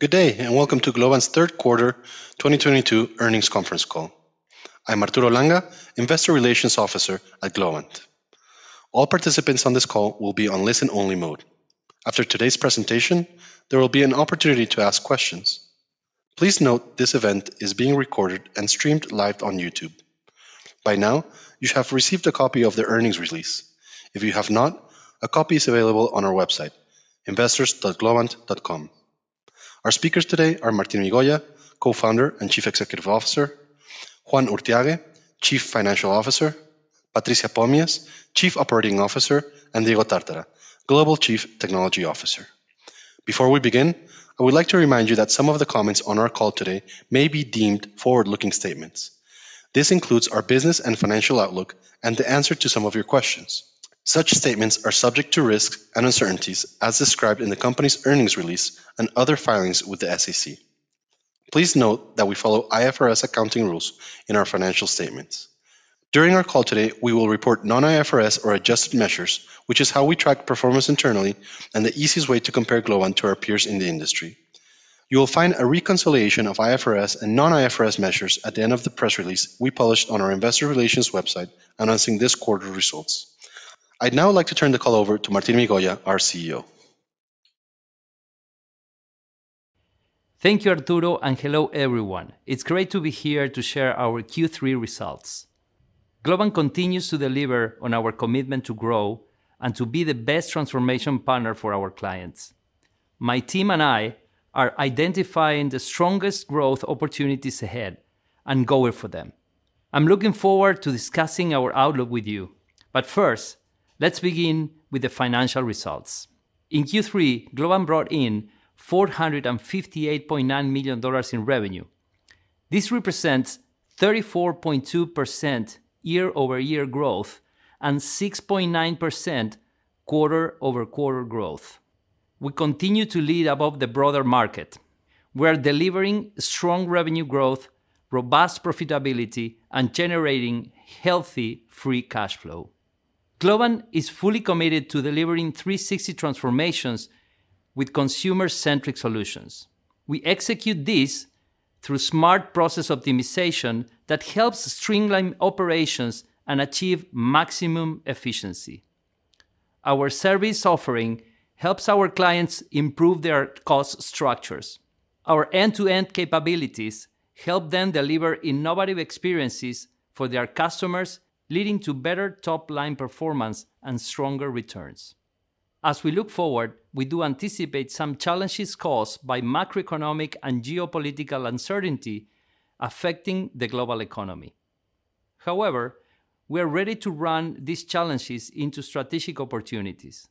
Good day, and welcome to Globant's third quarter 2022 earnings conference call. I'm Arturo Langa, Investor Relations Officer at Globant. All participants on this call will be on listen-only mode. After today's presentation, there will be an opportunity to ask questions. Please note this event is being recorded and streamed live on YouTube. By now, you should have received a copy of the earnings release. If you have not, a copy is available on our website, investors.globant.com. Our speakers today are Martín Migoya, Co-Founder and Chief Executive Officer, Juan Urthiague, Chief Financial Officer, Patricia Pomies, Chief Operating Officer, and Diego Tartara, Global Chief Technology Officer. Before we begin, I would like to remind you that some of the comments on our call today may be deemed forward-looking statements. This includes our business and financial outlook and the answer to some of your questions. Such statements are subject to risks and uncertainties as described in the company's earnings release and other filings with the SEC. Please note that we follow IFRS accounting rules in our financial statements. During our call today, we will report non-IFRS or adjusted measures, which is how we track performance internally and the easiest way to compare Globant to our peers in the industry. You will find a reconciliation of IFRS and non-IFRS measures at the end of the press release we published on our investor relations website announcing this quarter results. I'd now like to turn the call over to Martín Migoya, our CEO. Thank you, Arturo, and hello everyone. It's great to be here to share our Q3 results. Globant continues to deliver on our commitment to grow and to be the best transformation partner for our clients. My team and I are identifying the strongest growth opportunities ahead and going for them. I'm looking forward to discussing our outlook with you. First, let's begin with the financial results. In Q3, Globant brought in $458.9 million in revenue. This represents 34.2% year-over-year growth and 6.9% quarter-over-quarter growth. We continue to lead above the broader market. We're delivering strong revenue growth, robust profitability, and generating healthy free cash flow. Globant is fully committed to delivering 360 transformations with consumer-centric solutions. We execute this through smart process optimization that helps streamline operations and achieve maximum efficiency. Our service offering helps our clients improve their cost structures. Our end-to-end capabilities help them deliver innovative experiences for their customers, leading to better top-line performance and stronger returns. As we look forward, we do anticipate some challenges caused by macroeconomic and geopolitical uncertainty affecting the global economy. However, we are ready to turn these challenges into strategic opportunities.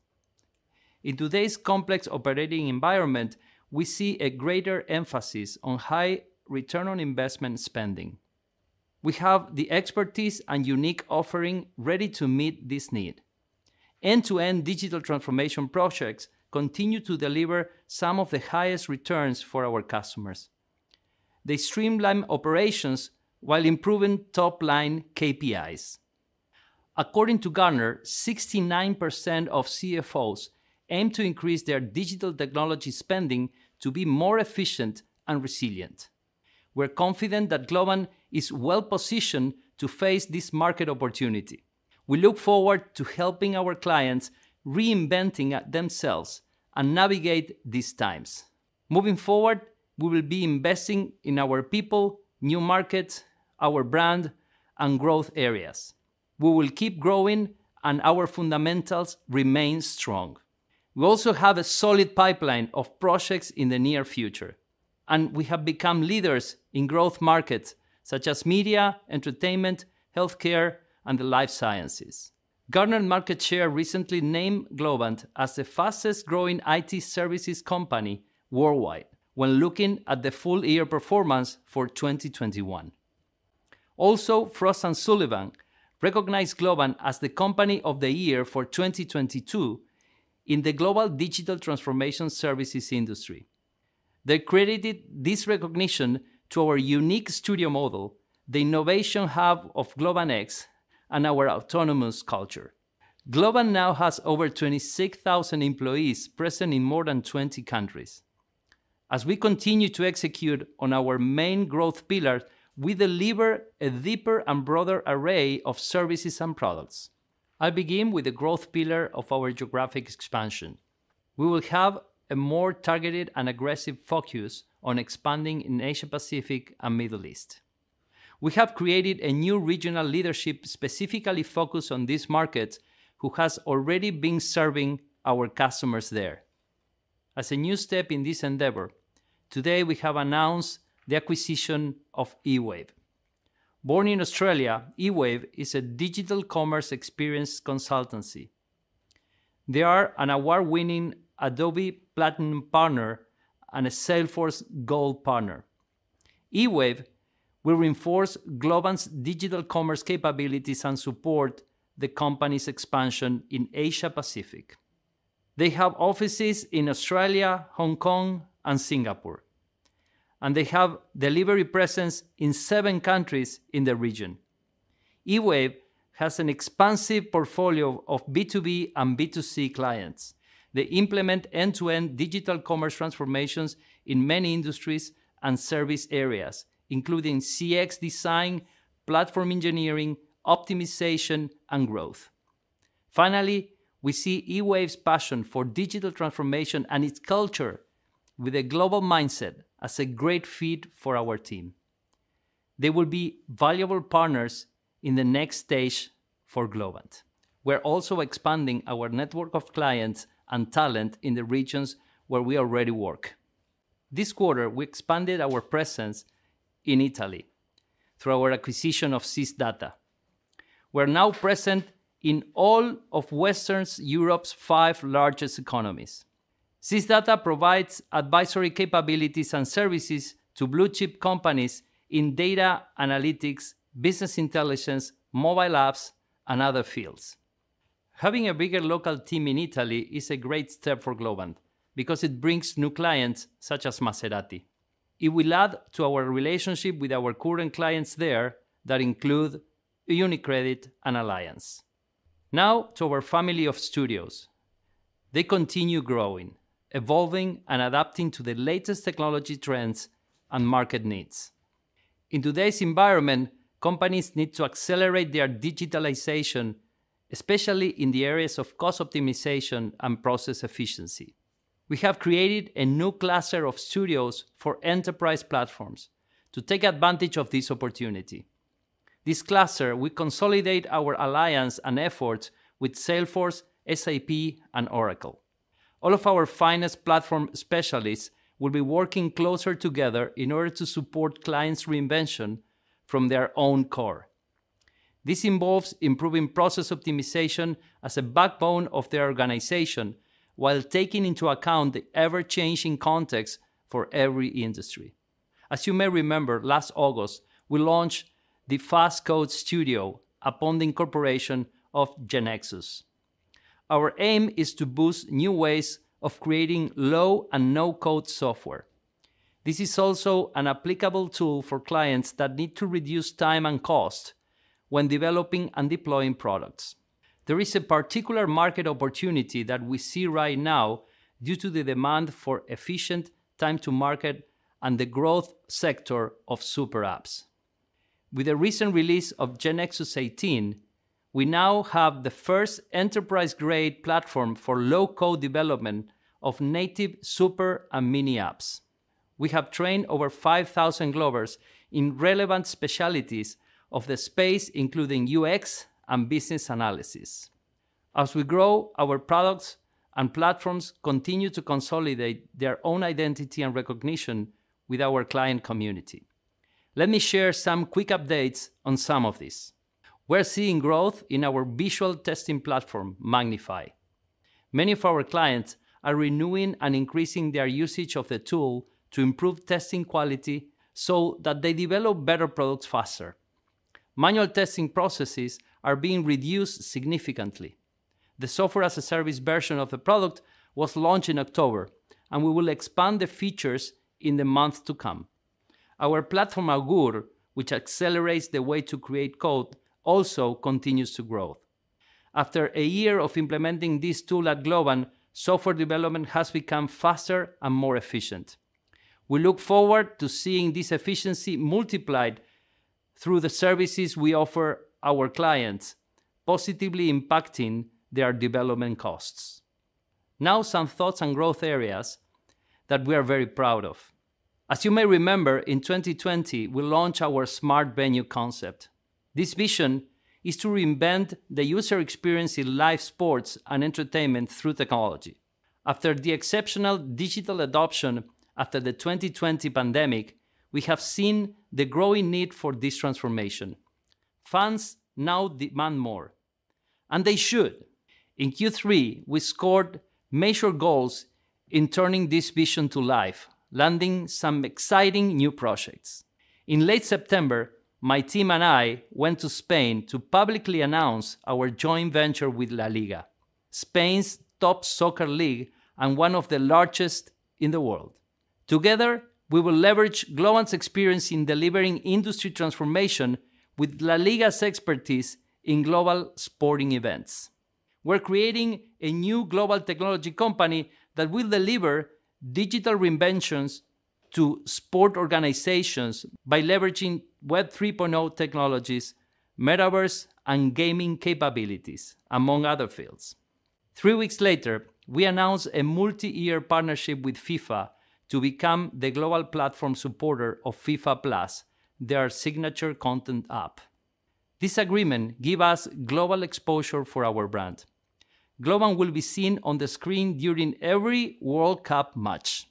In today's complex operating environment, we see a greater emphasis on high return on investment spending. We have the expertise and unique offering ready to meet this need. End-to-end digital transformation projects continue to deliver some of the highest returns for our customers. They streamline operations while improving top-line KPIs. According to Gartner, 69% of CFOs aim to increase their digital technology spending to be more efficient and resilient. We're confident that Globant is well-positioned to face this market opportunity. We look forward to helping our clients reinventing themselves and navigate these times. Moving forward, we will be investing in our people, new markets, our brand, and growth areas. We will keep growing and our fundamentals remain strong. We also have a solid pipeline of projects in the near future, and we have become leaders in growth markets such as media, entertainment, healthcare, and the life sciences. Gartner Market Share recently named Globant as the fastest-growing I.T. services company worldwide when looking at the full-year performance for 2021. Also, Frost & Sullivan recognized Globant as the Company of the Year for 2022 in the global digital transformation services industry. They credited this recognition to our unique studio model, the innovation hub of Globant X, and our autonomous culture. Globant now has over 26,000 employees present in more than 20 countries. As we continue to execute on our main growth pillar, we deliver a deeper and broader array of services and products. I begin with the growth pillar of our geographic expansion. We will have a more targeted and aggressive focus on expanding in Asia-Pacific and Middle East. We have created a new regional leadership specifically focused on these markets who has already been serving our customers there. As a new step in this endeavor, today we have announced the acquisition of eWave. Born in Australia, eWave is a digital commerce experience consultancy. They are an award-winning Adobe Platinum partner and a Salesforce Gold partner. eWave will reinforce Globant's digital commerce capabilities and support the company's expansion in Asia-Pacific. They have offices in Australia, Hong Kong, and Singapore, and they have delivery presence in seven countries in the region. eWave has an expansive portfolio of B2B and B2C clients. They implement end-to-end digital commerce transformations in many industries and service areas, including CX design, platform engineering, optimization, and growth. Finally, we see eWave's passion for digital transformation and its culture with a global mindset as a great fit for our team. They will be valuable partners in the next stage for Globant. We're also expanding our network of clients and talent in the regions where we already work. This quarter, we expanded our presence in Italy through our acquisition of Sysdata. We're now present in all of Western Europe's five largest economies. Sysdata provides advisory capabilities and services to blue-chip companies in data analytics, business intelligence, mobile apps, and other fields. Having a bigger local team in Italy is a great step for Globant because it brings new clients, such as Maserati. It will add to our relationship with our current clients there that include UniCredit and Allianz. Now to our family of studios. They continue growing, evolving, and adapting to the latest technology trends and market needs. In today's environment, companies need to accelerate their digitalization, especially in the areas of cost optimization and process efficiency. We have created a new cluster of studios for enterprise platforms to take advantage of this opportunity. This cluster will consolidate our alliance and efforts with Salesforce, SAP, and Oracle. All of our finest platform specialists will be working closer together in order to support clients' reinvention from their own core. This involves improving process optimization as a backbone of their organization while taking into account the ever-changing context for every industry. As you may remember, last August, we launched the Fast Code Studio upon the incorporation of GeneXus. Our aim is to boost new ways of creating low and no-code software. This is also an applicable tool for clients that need to reduce time and cost when developing and deploying products. There is a particular market opportunity that we see right now due to the demand for efficient time to market and the growth sector of super apps. With the recent release of GeneXus 18, we now have the first enterprise-grade platform for low-code development of native super and mini apps. We have trained over 5,000 Globers in relevant specialties of the space, including UX and business analysis. As we grow, our products and platforms continue to consolidate their own identity and recognition with our client community. Let me share some quick updates on some of this. We're seeing growth in our visual testing platform, MagnifAI. Many of our clients are renewing and increasing their usage of the tool to improve testing quality so that they develop better products faster. Manual testing processes are being reduced significantly. The software-as-a-service version of the product was launched in October, and we will expand the features in the months to come. Our platform, Augoor, which accelerates the way to create code, also continues to grow. After a year of implementing this tool at Globant, software development has become faster and more efficient. We look forward to seeing this efficiency multiplied through the services we offer our clients, positively impacting their development costs. Now some thoughts on growth areas that we are very proud of. As you may remember, in 2020, we launched our Smart Venue concept. This vision is to reinvent the user experience in live sports and entertainment through technology. After the exceptional digital adoption after the 2020 pandemic, we have seen the growing need for this transformation. Fans now demand more, and they should. In Q3, we scored major goals in turning this vision to life, landing some exciting new projects. In late September, my team and I went to Spain to publicly announce our joint venture with LaLiga, Spain's top soccer league and one of the largest in the world. Together, we will leverage Globant's experience in delivering industry transformation with LaLiga's expertise in global sporting events. We're creating a new global technology company that will deliver digital reinventions to sport organizations by leveraging Web 3.0 technologies, metaverse, and gaming capabilities, among other fields. Three weeks later, we announced a multi-year partnership with FIFA to become the global platform supporter of FIFA+, their signature content app. This agreement give us global exposure for our brand. Globant will be seen on the screen during every World Cup match.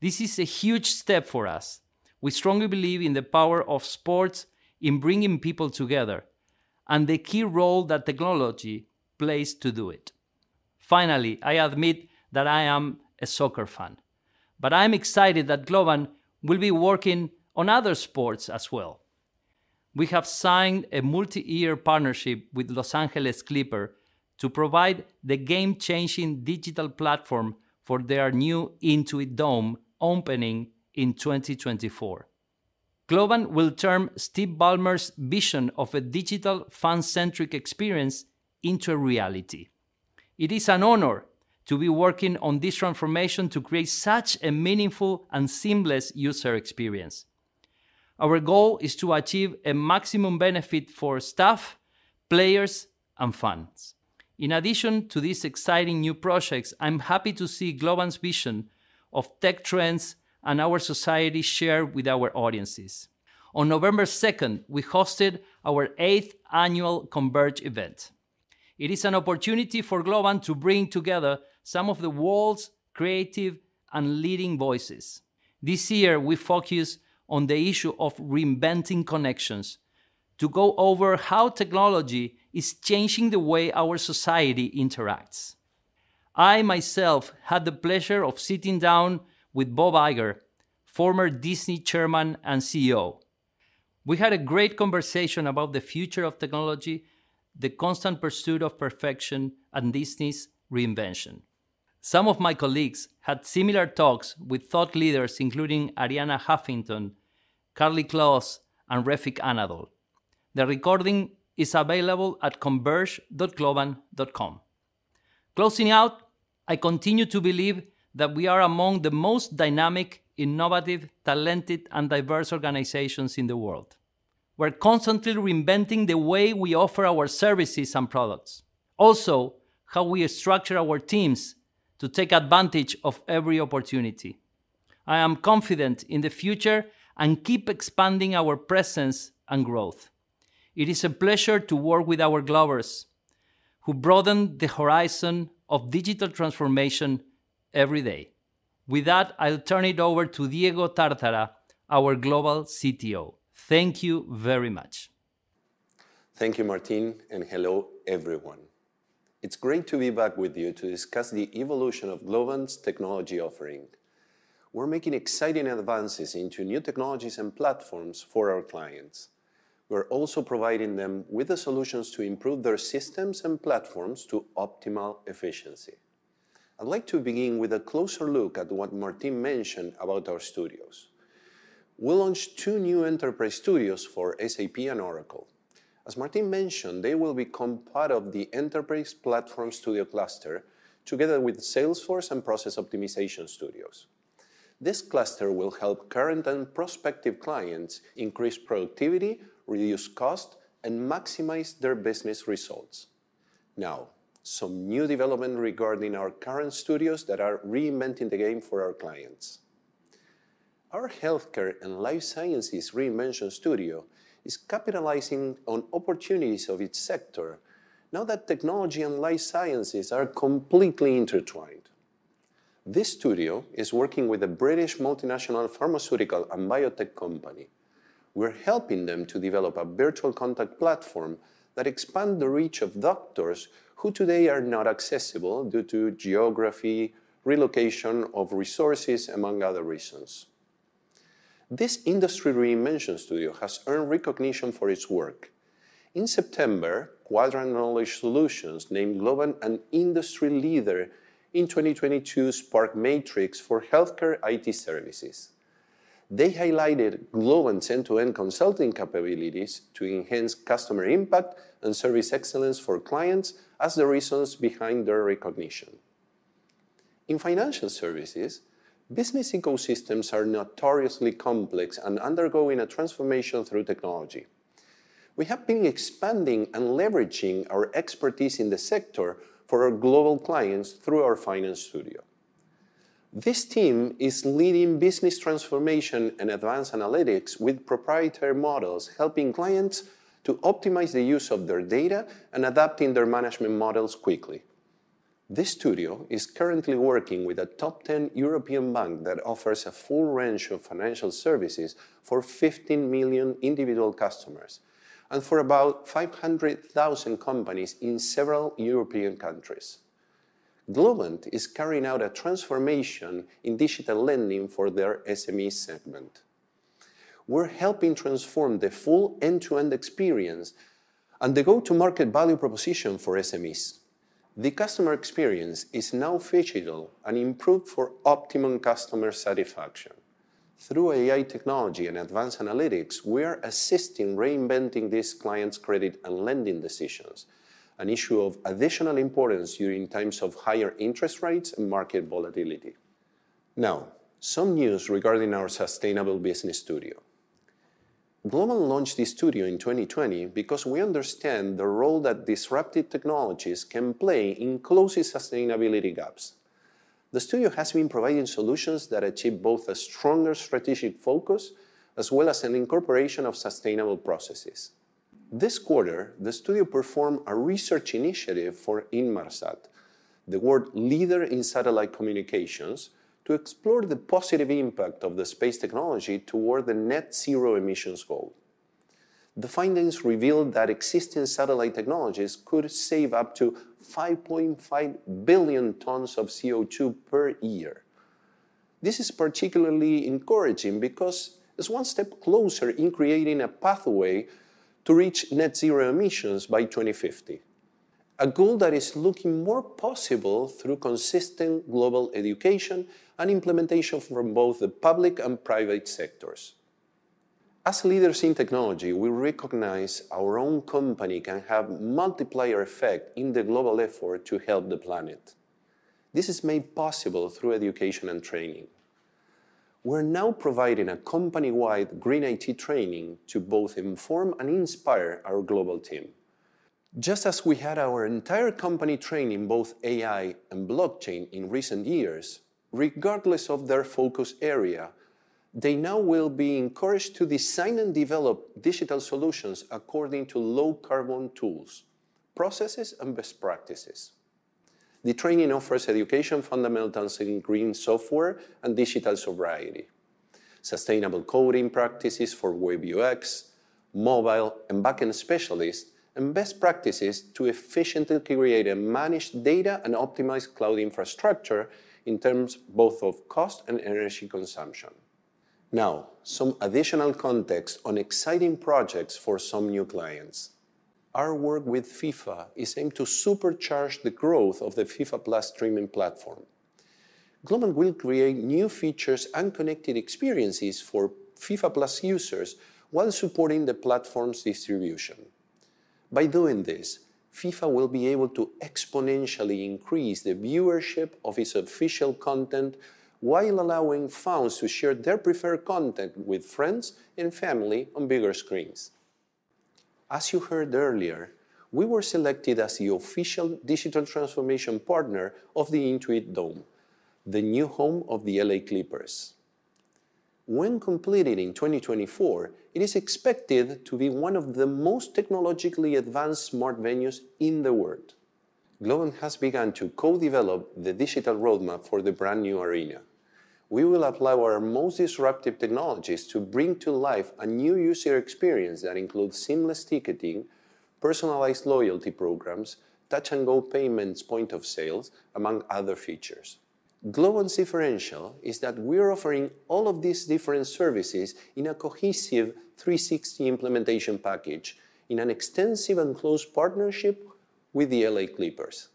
This is a huge step for us. We strongly believe in the power of sports in bringing people together and the key role that technology plays to do it. Finally, I admit that I am a soccer fan, but I'm excited that Globant will be working on other sports as well. We have signed a multi-year partnership with Los Angeles Clippers to provide the game-changing digital platform for their new Intuit Dome opening in 2024. Globant will turn Steve Ballmer's vision of a digital fan-centric experience into reality. It is an honor to be working on this transformation to create such a meaningful and seamless user experience. Our goal is to achieve a maximum benefit for staff, players, and fans. In addition to these exciting new projects, I'm happy to see Globant's vision of tech trends and our society share with our audiences. On November second, we hosted our eighth annual Converge event. It is an opportunity for Globant to bring together some of the world's creative and leading voices. This year, we focus on the issue of reinventing connections, to go over how technology is changing the way our society interacts. I myself had the pleasure of sitting down with Bob Iger, former Disney Chairman and CEO. We had a great conversation about the future of technology, the constant pursuit of perfection, and Disney's reinvention. Some of my colleagues had similar talks with thought leaders, including Arianna Huffington, Karlie Kloss, and Refik Anadol. The recording is available at converge.globant.com. Closing out, I continue to believe that we are among the most dynamic, innovative, talented, and diverse organizations in the world. We're constantly reinventing the way we offer our services and products. Also, how we structure our teams to take advantage of every opportunity. I am confident in the future and keep expanding our presence and growth. It is a pleasure to work with our Globers who broaden the horizon of digital transformation every day. With that, I'll turn it over to Diego Tartara, our Global CTO. Thank you very much. Thank you, Martín, and hello, everyone. It's great to be back with you to discuss the evolution of Globant's technology offering. We're making exciting advances into new technologies and platforms for our clients. We're also providing them with the solutions to improve their systems and platforms to optimal efficiency. I'd like to begin with a closer look at what Martín mentioned about our studios. We launched two new Enterprise Studios for SAP and Oracle. As Martín mentioned, they will become part of the Enterprise Platform Studio cluster together with Salesforce and Process Optimization Studios. This cluster will help current and prospective clients increase productivity, reduce cost, and maximize their business results. Now, some new development regarding our current studios that are reinventing the game for our clients. Our Healthcare & Life Sciences Reinvention Studio is capitalizing on opportunities of each sector now that technology and life sciences are completely intertwined. This studio is working with a British multinational pharmaceutical and biotech company. We're helping them to develop a virtual contact platform that expand the reach of doctors who today are not accessible due to geography, relocation of resources, among other reasons. This industry reinvention studio has earned recognition for its work. In September, Quadrant Knowledge Solutions named Globant an industry leader in 2022 SPARK Matrix for healthcare I.T. services. They highlighted Globant end-to-end consulting capabilities to enhance customer impact and service excellence for clients as the reasons behind their recognition. In financial services, business ecosystems are notoriously complex and undergoing a transformation through technology. We have been expanding and leveraging our expertise in the sector for our global clients through our finance studio. This team is leading business transformation and advanced analytics with proprietary models, helping clients to optimize the use of their data and adapting their management models quickly. This studio is currently working with a top 10 European bank that offers a full range of financial services for 15 million individual customers and for about 500,000 companies in several European countries. Globant is carrying out a transformation in digital lending for their SME segment. We're helping transform the full end-to-end experience and the go-to-market value proposition for SMEs. The customer experience is now phygital and improved for optimum customer satisfaction. Through AI technology and advanced analytics, we are assisting reinventing this client's credit and lending decisions, an issue of additional importance during times of higher interest rates and market volatility. Now, some news regarding our Sustainable Business Studio. Globant launched this studio in 2020 because we understand the role that disruptive technologies can play in closing sustainability gaps. The studio has been providing solutions that achieve both a stronger strategic focus as well as an incorporation of sustainable processes. This quarter, the studio performed a research initiative for Inmarsat, the world leader in satellite communications, to explore the positive impact of the space technology toward the net zero emissions goal. The findings revealed that existing satellite technologies could save up to 5.5 billion tons of CO2 per year. This is particularly encouraging because it's one step closer in creating a pathway to reach net zero emissions by 2050, a goal that is looking more possible through consistent global education and implementation from both the public and private sectors. As leaders in technology, we recognize our own company can have multiplier effect in the global effort to help the planet. This is made possible through education and training. We're now providing a company-wide green IT training to both inform and inspire our global team. Just as we had our entire company trained in both AI and blockchain in recent years, regardless of their focus area, they now will be encouraged to design and develop digital solutions according to low-carbon tools, processes, and best practices. The training offers education fundamentals in green software and digital sobriety, sustainable coding practices for web UX, mobile, and back-end specialists, and best practices to efficiently create and manage data and optimize cloud infrastructure in terms both of cost and energy consumption. Now, some additional context on exciting projects for some new clients. Our work with FIFA is aimed to supercharge the growth of the FIFA+ streaming platform. Globant will create new features and connected experiences for FIFA+ users while supporting the platform's distribution. By doing this, FIFA will be able to exponentially increase the viewership of its official content while allowing fans to share their preferred content with friends and family on bigger screens. As you heard earlier, we were selected as the official digital transformation partner of the Intuit Dome, the new home of the L.A. Clippers. When completed in 2024, it is expected to be one of the most technologically advanced smart venues in the world. Globant has begun to co-develop the digital roadmap for the brand-new arena. We will apply our most disruptive technologies to bring to life a new user experience that includes seamless ticketing, personalized loyalty programs, touch-and-go payments point of sales, among other features. Globant's differential is that we're offering all of these different services in a cohesive 360 implementation package in an extensive and close partnership with the L.A. Clippers.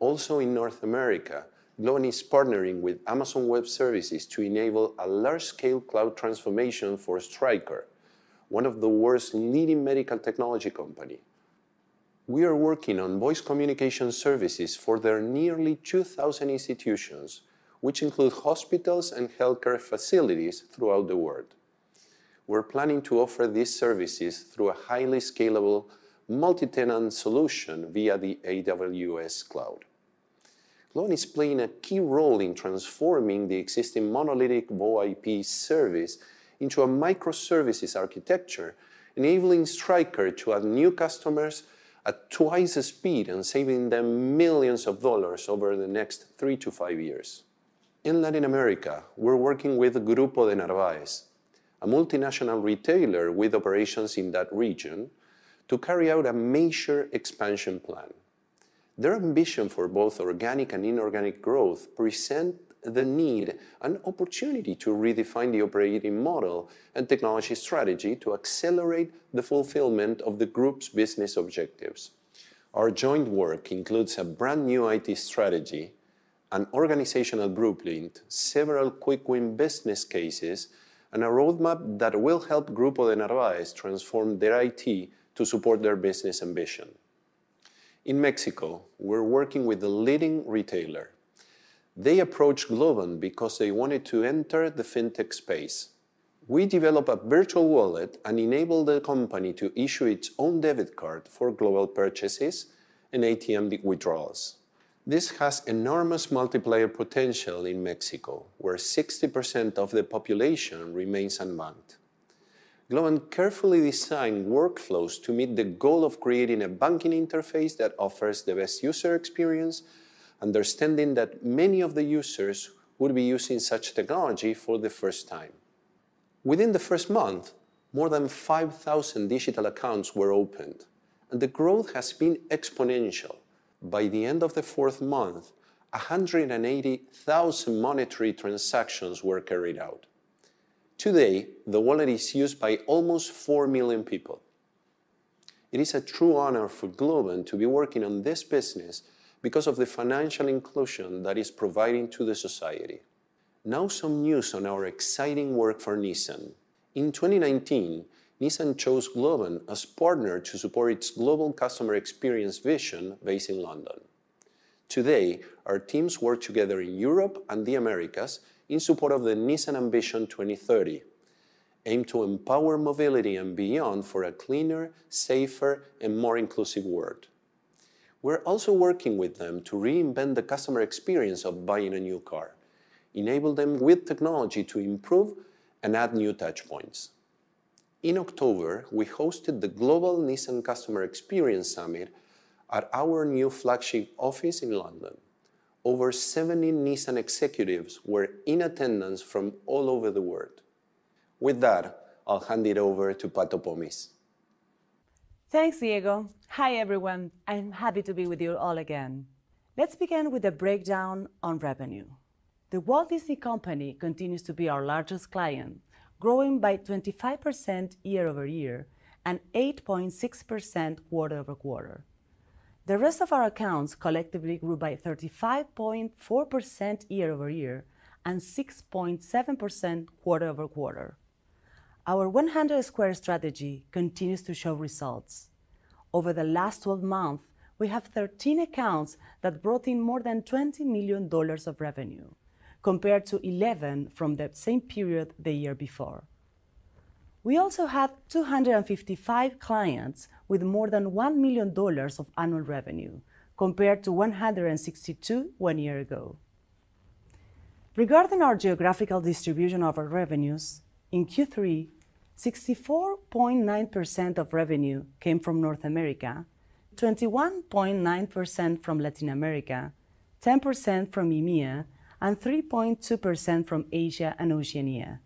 Also in North America, Globant is partnering with Amazon Web Services to enable a large-scale cloud transformation for Stryker, one of the world's leading medical technology company. We are working on voice communication services for their nearly 2,000 institutions, which include hospitals and healthcare facilities throughout the world. We're planning to offer these services through a highly scalable multi-tenant solution via the AWS cloud. Globant is playing a key role in transforming the existing monolithic VoIP service into a microservices architecture, enabling Stryker to add new customers at twice the speed and saving them millions of dollars over the next three to five years. In Latin America, we're working with Grupo de Narváez, a multinational retailer with operations in that region, to carry out a major expansion plan. Their ambition for both organic and inorganic growth present the need and opportunity to redefine the operating model and technology strategy to accelerate the fulfillment of the group's business objectives. Our joint work includes a brand-new I.T. strategy, an organizational blueprint, several quick-win business cases, and a roadmap that will help Grupo de Narváez transform their I.T. to support their business ambition. In Mexico, we're working with a leading retailer. They approached Globant because they wanted to enter the fintech space. We developed a virtual wallet and enabled the company to issue its own debit card for global purchases and ATM withdrawals. This has enormous multiplier potential in Mexico, where 60% of the population remains unbanked. Globant carefully designed workflows to meet the goal of creating a banking interface that offers the best user experience, understanding that many of the users would be using such technology for the first time. Within the first month, more than 5,000 digital accounts were opened, and the growth has been exponential. By the end of the fourth month, 180,000 monetary transactions were carried out. Today, the wallet is used by almost 4 million people. It is a true honor for Globant to be working on this business because of the financial inclusion that is providing to the society. Now some news on our exciting work for Nissan. In 2019, Nissan chose Globant as partner to support its global customer experience vision based in London. Today, our teams work together in Europe and the Americas in support of the Nissan Ambition 2030, aimed to empower mobility and beyond for a cleaner, safer, and more inclusive world. We're also working with them to reinvent the customer experience of buying a new car, enable them with technology to improve and add new touchpoints. In October, we hosted the Global Nissan Customer Experience Summit at our new flagship office in London. Over 70 Nissan executives were in attendance from all over the world. With that, I'll hand it over to Pat Pomies. Thanks, Diego. Hi, everyone. I'm happy to be with you all again. Let's begin with a breakdown on revenue. The Walt Disney Company continues to be our largest client, growing by 25% year-over-year and 8.6% quarter-over-quarter. The rest of our accounts collectively grew by 35.4% year-over-year and 6.7% quarter-over-quarter. Our 100 squared strategy continues to show results. Over the last 12 months, we have 13 accounts that brought in more than $20 million of revenue compared to 11 from that same period the year before. We also have 255 clients with more than $1 million of annual revenue compared to 162 one year ago. Regarding our geographical distribution of our revenues, in Q3, 64.9% of revenue came from North America, 21.9% from Latin America, 10% from EMEA, and 3.2% from Asia and Oceania.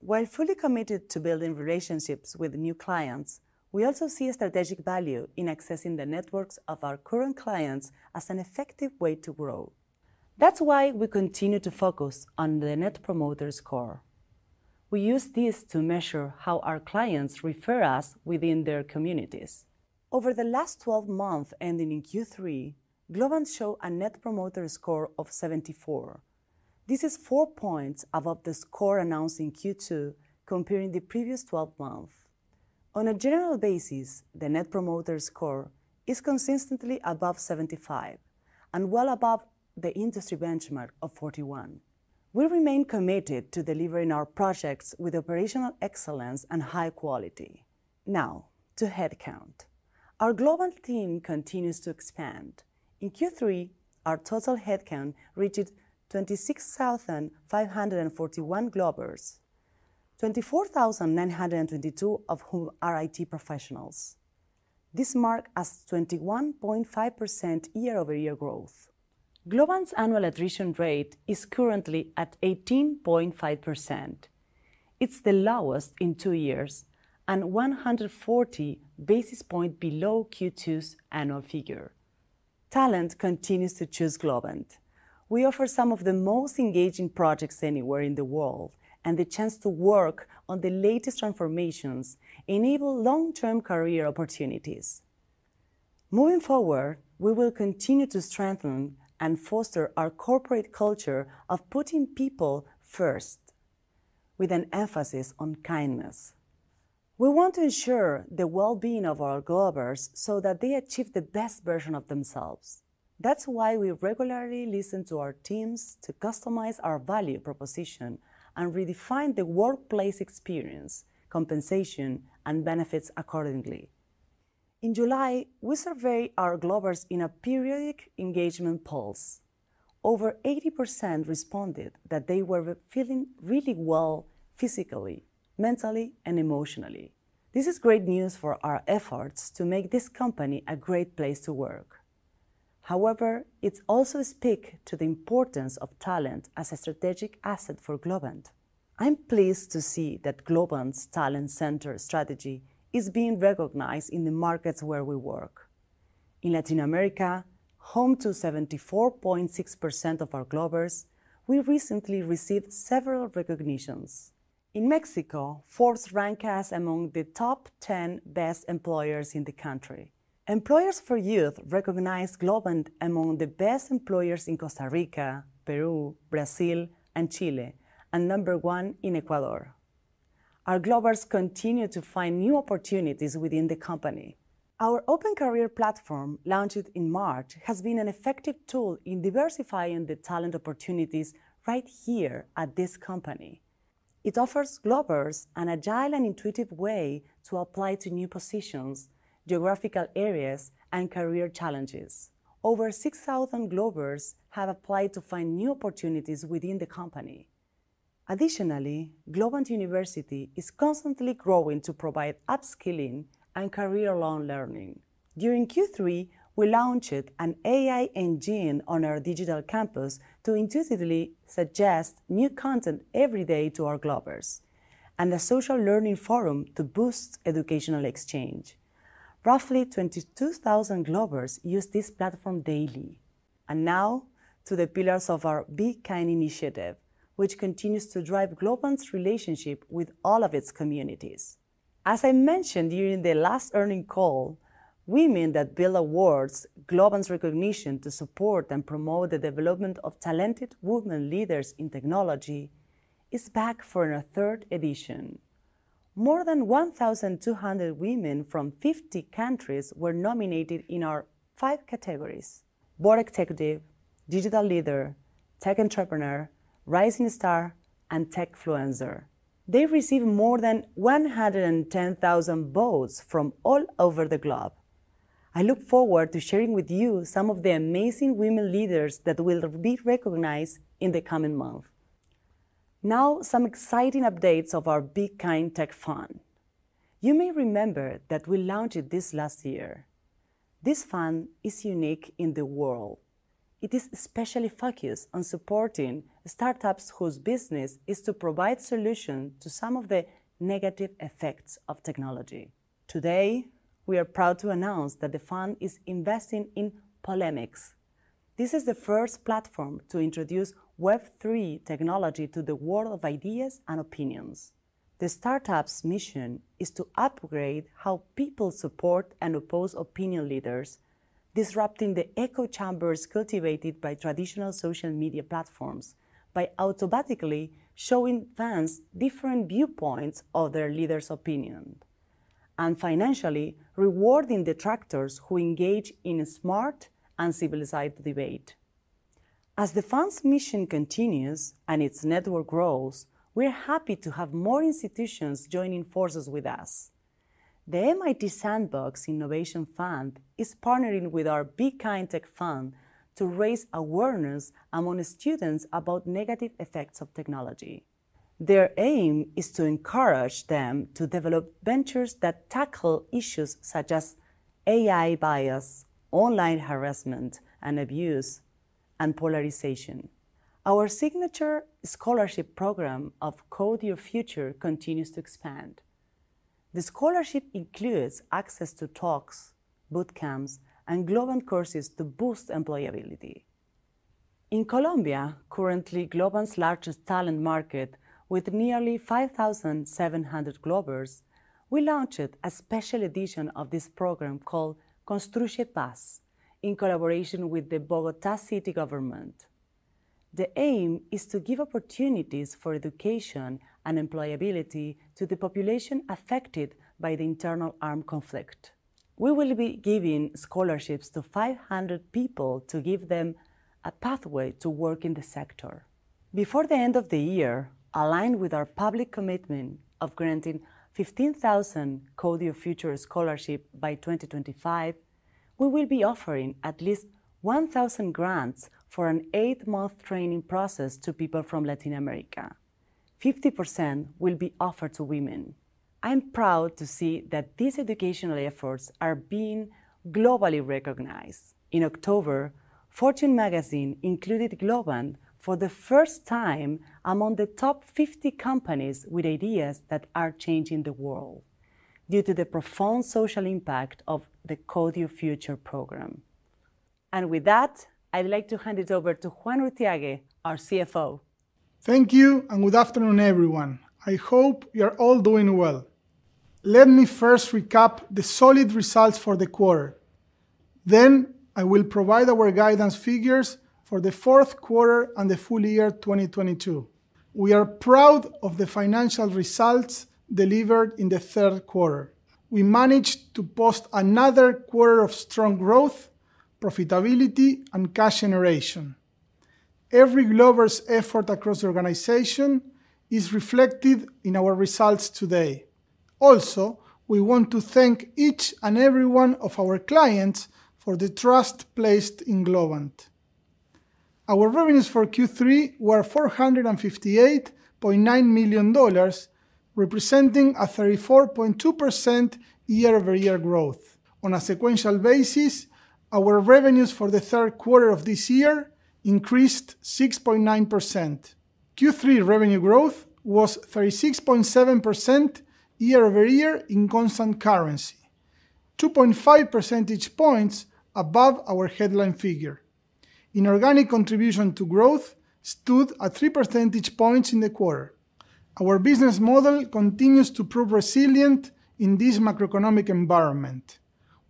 While fully committed to building relationships with new clients, we also see a strategic value in accessing the networks of our current clients as an effective way to grow. That's why we continue to focus on the Net Promoter Score. We use this to measure how our clients refer us within their communities. Over the last 12 months ending in Q3, Globant showed a Net Promoter Score of 74. This is four points above the score announced in Q2 comparing the previous 12 months. On a general basis, the Net Promoter Score is consistently above 75 and well above the industry benchmark of 41. We remain committed to delivering our projects with operational excellence and high quality. Now to headcount. Our global team continues to expand. In Q3, our total headcount reached 26,541 Globers, 24,922 of whom are IT professionals. This marks a 21.5% year-over-year growth. Globant's annual attrition rate is currently at 18.5%. It's the lowest in two years and 140 basis points below Q2's annual figure. Talent continues to choose Globant. We offer some of the most engaging projects anywhere in the world, and the chance to work on the latest transformations enable long-term career opportunities. Moving forward, we will continue to strengthen and foster our corporate culture of putting people first with an emphasis on kindness. We want to ensure the well-being of our Globers so that they achieve the best version of themselves. That's why we regularly listen to our teams to customize our value proposition and redefine the workplace experience, compensation, and benefits accordingly. In July, we survey our Globers in a periodic engagement pulse. Over 80% responded that they were feeling really well physically, mentally, and emotionally. This is great news for our efforts to make this company a great place to work. However, it also speak to the importance of talent as a strategic asset for Globant. I'm pleased to see that Globant's talent center strategy is being recognized in the markets where we work. In Latin America, home to 74.6% of our Globers, we recently received several recognitions. In Mexico, Forbes ranked us among the top 10 best employers in the country. `Employers for Youth recognized Globant among the best employers in Costa Rica, Peru, Brazil and Chile and number one in Ecuador. Our Globers continue to find new opportunities within the company. Our open career platform launched in March has been an effective tool in diversifying the talent opportunities right here at this company. It offers Globers an agile and intuitive way to apply to new positions geographical areas and career challenges. Over 6,000 Globers have applied to find new opportunities within the company. Additionally, Globant University is constantly growing to provide upskilling and career-long learning. During Q3, we launched an AI engine on our digital campus to intuitively suggest new content every day to our Globers and the social learning forum to boost educational exchange. Roughly 22,000 gloves used this day. Now to the pillars of our Be Kind initiative, which continues to drive Globant's relationship with all of its communities. As I mentioned during the last earnings call, Women that Build Awards, Globant's recognition to support and promote the development of talented women leaders in technology, is back for a third edition. More than 1,200 women from 50 countries were nominated in our five categories, board executive, digital leader, tech entrepreneur, rising star, and techfluencer. They received more than 110,000 votes from all over the globe. I look forward to sharing with you some of the amazing women leaders that will be recognized in the coming month. Now, some exciting updates of our Be Kind Tech Fund. You may remember that we launched this last year. This fund is unique in the world. It is especially focused on supporting startups whose business is to provide solution to some of the negative effects of technology. Today we are proud to announce that the fund is investing in Polemix. This is the first platform to introduce Web3 technology to the world of ideas and opinions. The startup's mission is to upgrade how people support and oppose opinion leaders, disrupting the echo chambers cultivated by traditional social media platforms by automatically showing fans different viewpoints of their leader's opinion and financially rewarding detractors who engage in a smart and civilized debate. As the fund's mission continues and its network grows, we're happy to have more institutions joining forces with us. The MIT Sandbox Innovation Fund is partnering with our Be Kind Tech Fund to raise awareness among students about negative effects of technology. Their aim is to encourage them to develop ventures that tackle issues such as AI bias, online harassment, and abuse, and polarization. Our signature scholarship program of Code Your Future continues to expand. The scholarship includes access to talks, boot camps, and Globant courses to boost employability. In Colombia, currently Globant's largest talent market with nearly 5,700 Globers, we launched a special edition of this program called Construye Paz in collaboration with the Bogotá city government. The aim is to give opportunities for education and employability to the population affected by the internal armed conflict. We will be giving scholarships to 500 people to give them a pathway to work in the sector. Before the end of the year, aligned with our public commitment of granting 15,000 Code Your Future scholarship by 2025, we will be offering at least 1,000 grants for an eight-month training process to people from Latin America. 50% will be offered to women. I'm proud to see that these educational efforts are being globally recognized. In October, Fortune magazine included Globant for the first time among the top 50 companies with ideas that are changing the world due to the profound social impact of the Code Your Future program. With that, I'd like to hand it over to Juan Urthiague, our CFO. Thank you, and good afternoon, everyone. I hope you're all doing well. Let me first recap the solid results for the quarter, then I will provide our guidance figures for the fourth quarter and the full year 2022. We are proud of the financial results delivered in the third quarter. We managed to post another quarter of strong growth, profitability, and cash generation. Every Glober's effort across the organization is reflected in our results today. Also, we want to thank each and every one of our clients for the trust placed in Globant. Our revenues for Q3 were $458.9 million, representing 34.2% year-over-year growth. On a sequential basis, our revenues for the third quarter of this year increased 6.9%. Q3 revenue growth was 36.7% year-over-year in constant currency, 2.5 percentage points above our headline figure. Inorganic contribution to growth stood at 3 percentage points in the quarter. Our business model continues to prove resilient in this macroeconomic environment.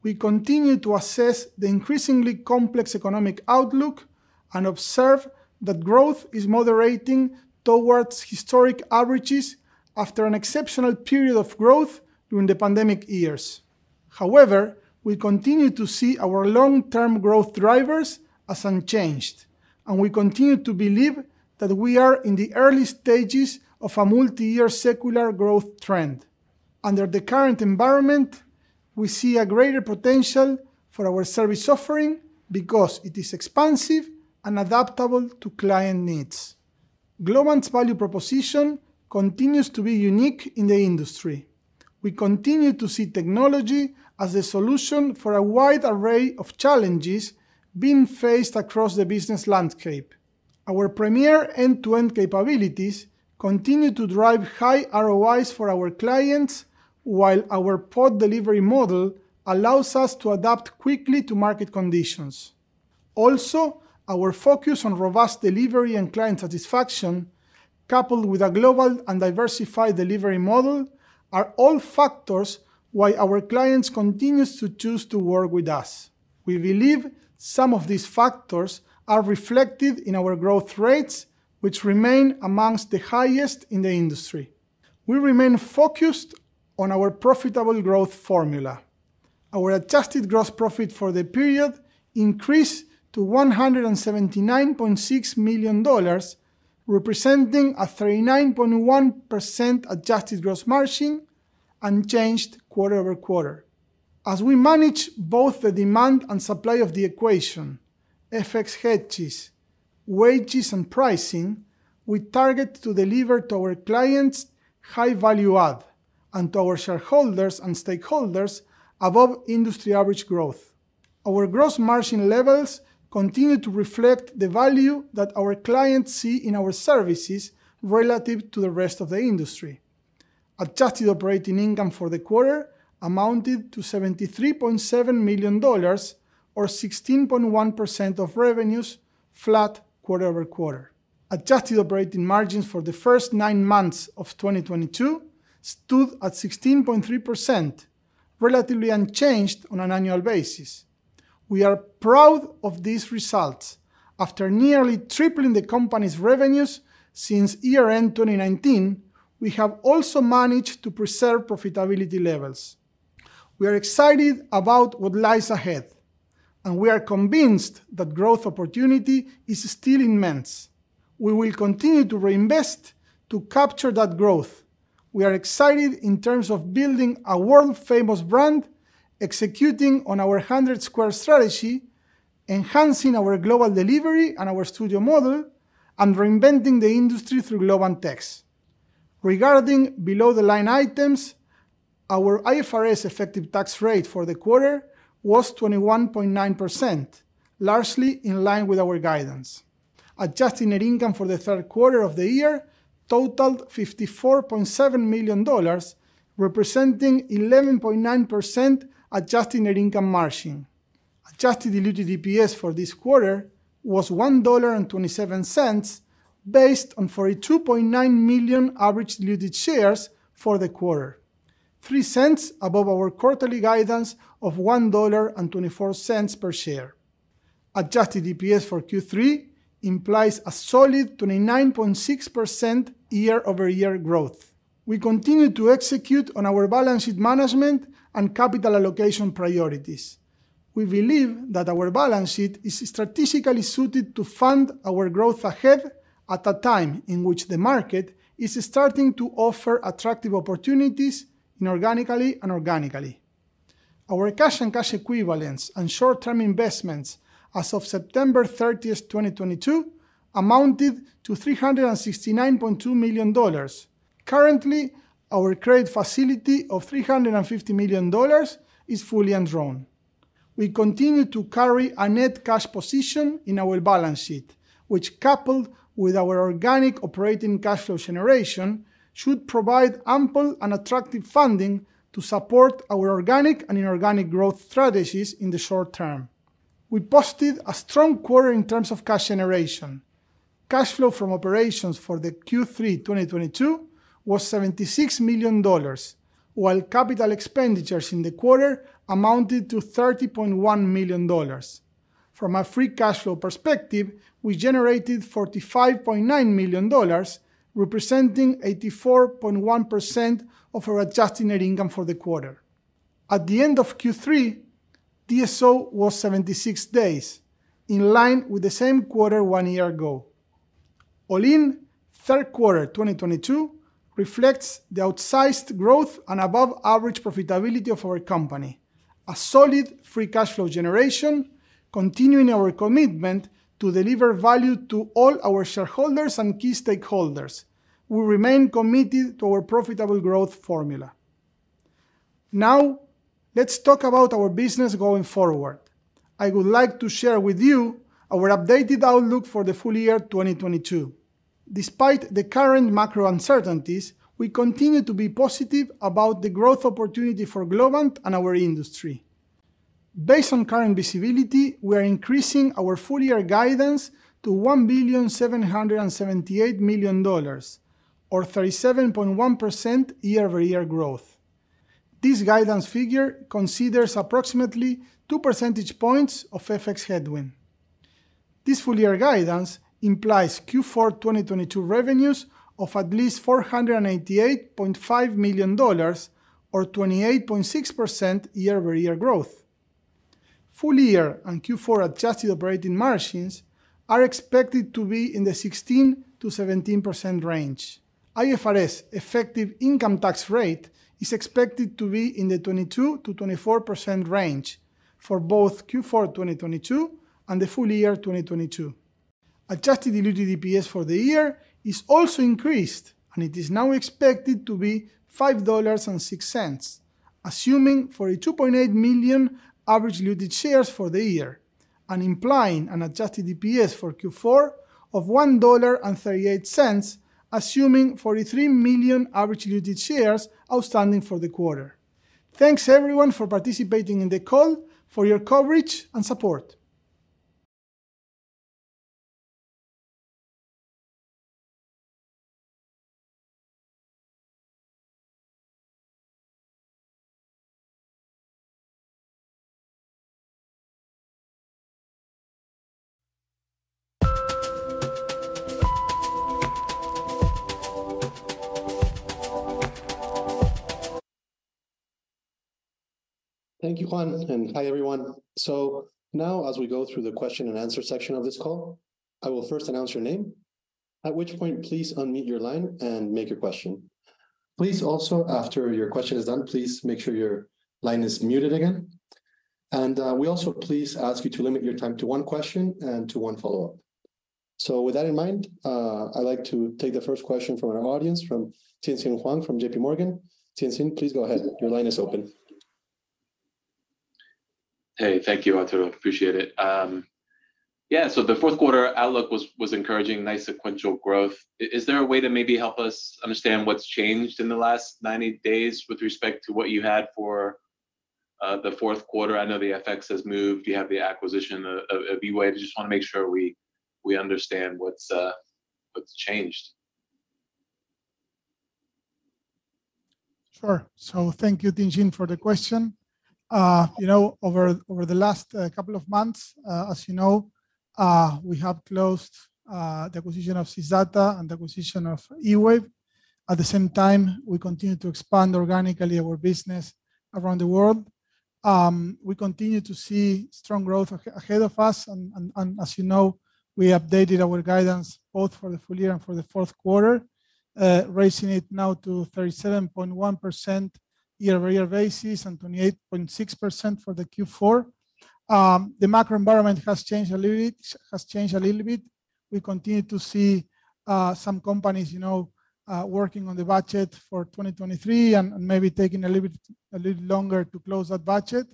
We continue to assess the increasingly complex economic outlook and observe that growth is moderating towards historic averages after an exceptional period of growth during the pandemic years. However, we continue to see our long-term growth drivers as unchanged, and we continue to believe that we are in the early stages of a multiyear secular growth trend. Under the current environment, we see a greater potential for our service offering because it is expansive and adaptable to client needs. Globant's value proposition continues to be unique in the industry. We continue to see technology as a solution for a wide array of challenges being faced across the business landscape. Our premier end-to-end capabilities continue to drive high ROIs for our clients, while our pod delivery model allows us to adapt quickly to market conditions. Also, our focus on robust delivery and client satisfaction, coupled with a global and diversified delivery model, are all factors why our clients continues to choose to work with us. We believe some of these factors are reflected in our growth rates, which remain amongst the highest in the industry. We remain focused on our profitable growth formula. Our adjusted gross profit for the period increased to $179.6 million, representing a 39.1% adjusted gross margin, unchanged quarter-over-quarter. As we manage both the demand and supply of the equation, FX hedges, wages, and pricing, we target to deliver to our clients high value add, and to our shareholders and stakeholders above industry average growth. Our gross margin levels continue to reflect the value that our clients see in our services relative to the rest of the industry. Adjusted operating income for the quarter amounted to $73.7 million or 16.1% of revenues, flat quarter-over-quarter. Adjusted operating margins for the first nine months of 2022 stood at 16.3%, relatively unchanged on an annual basis. We are proud of these results. After nearly tripling the company's revenues since year-end 2019, we have also managed to preserve profitability levels. We are excited about what lies ahead, and we are convinced that growth opportunity is still immense. We will continue to reinvest to capture that growth. We are excited in terms of building a world-famous brand, executing on our 100 squared strategy, enhancing our global delivery and our studio model, and reinventing the industry through Globant X. Regarding below-the-line items, our IFRS effective tax rate for the quarter was 21.9%, largely in line with our guidance. Adjusted net income for the third quarter of the year totaled $54.7 million, representing 11.9% adjusted net income margin. Adjusted diluted EPS for this quarter was $1.27 based on 42.9 million average diluted shares for the quarter, $0.03 above our quarterly guidance of $1.24 per share. Adjusted EPS for Q3 implies a solid 29.6% year-over-year growth. We continue to execute on our balance sheet management and capital allocation priorities. We believe that our balance sheet is strategically suited to fund our growth ahead at a time in which the market is starting to offer attractive opportunities inorganically and organically. Our cash and cash equivalents and short-term investments as of September 30th, 2022 amounted to $369.2 million. Currently, our credit facility of $350 million is fully undrawn. We continue to carry a net cash position in our balance sheet, which coupled with our organic operating cash flow generation, should provide ample and attractive funding to support our organic and inorganic growth strategies in the short term. We posted a strong quarter in terms of cash generation. Cash flow from operations for the Q3 2022 was $76 million, while capital expenditures in the quarter amounted to $30.1 million. From a free cash flow perspective, we generated $45.9 million, representing 84.1% of our adjusted net income for the quarter. At the end of Q3, DSO was 76 days, in line with the same quarter one year ago. All in, third quarter 2022 reflects the outsized growth and above average profitability of our company, a solid free cash flow generation, continuing our commitment to deliver value to all our shareholders and key stakeholders. We remain committed to our profitable growth formula. Now let's talk about our business going forward. I would like to share with you our updated outlook for the full year 2022. Despite the current macro uncertainties, we continue to be positive about the growth opportunity for Globant and our industry. Based on current visibility, we are increasing our full year guidance to $1,778 million or 37.1% year-over-year growth. This guidance figure considers approximately 2 percentage points of FX headwind. This full year guidance implies Q4 2022 revenues of at least $488.5 million or 28.6% year-over-year growth. Full year and Q4 adjusted operating margins are expected to be in the 16%-17% range. IFRS effective income tax rate is expected to be in the 22%-24% range for both Q4 2022 and the full year 2022. Adjusted diluted EPS for the year is also increased, and it is now expected to be $5.06, assuming 42.8 million average diluted shares for the year and implying an adjusted EPS for Q4 of $1.38, assuming 43 million average diluted shares outstanding for the quarter. Thanks everyone for participating in the call, for your coverage and support. Thank you, Juan, and hi everyone. Now as we go through the question and answer section of this call, I will first announce your name, at which point please unmute your line and make your question. Please also, after your question is done, please make sure your line is muted again. We also please ask you to limit your time to one question and to one follow-up. With that in mind, I'd like to take the first question from our audience, from Tien-Tsin Huang from JP Morgan. Tien-Tsin, please go ahead. Your line is open. Hey. Thank you, Arturo. Appreciate it. Yeah, the fourth quarter outlook was encouraging, nice sequential growth. Is there a way to maybe help us understand what's changed in the last 90 days with respect to what you had for the fourth quarter? I know the FX has moved. You have the acquisition of eWave. I just wanna make sure we understand what's changed. Sure. Thank you, Tien-Tsin, for the question. You know, over the last couple of months, as you know, we have closed the acquisition of Sysdata and the acquisition of eWave. At the same time, we continue to expand organically our business around the world. We continue to see strong growth ahead of us. As you know, we updated our guidance both for the full year and for the fourth quarter, raising it now to 37.1% year-over-year basis and 28.6% for the Q4. The macro environment has changed a little bit. We continue to see some companies, you know, working on the budget for 2023 and maybe taking a little bit longer to close that budget.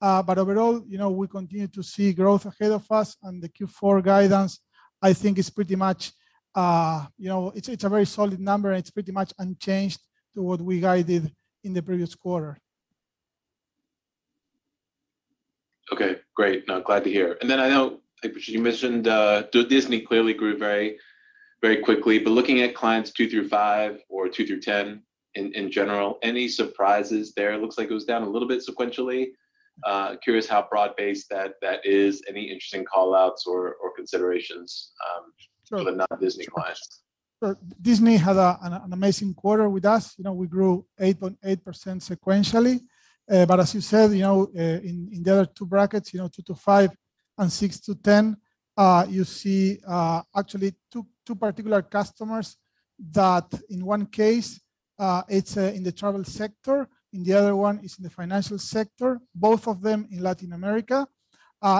Overall, you know, we continue to see growth ahead of us. The Q4 guidance, I think is pretty much, you know, it's a very solid number, and it's pretty much unchanged to what we guided in the previous quarter. Okay. Great. No, glad to hear. I know, like you mentioned, Disney clearly grew very, very quickly, but looking at clients two through five or two through 10 in general, any surprises there? It looks like it was down a little bit sequentially. Curious how broad-based that is. Any interesting call-outs or considerations? Sure. For the non-Disney clients? Sure. Disney had an amazing quarter with us. You know, we grew 8.8% sequentially. As you said, you know, in the other two brackets, you know, 2-5 and 6-10, you see actually two particular customers that in one case it's in the travel sector, and the other one is in the financial sector, both of them in Latin America.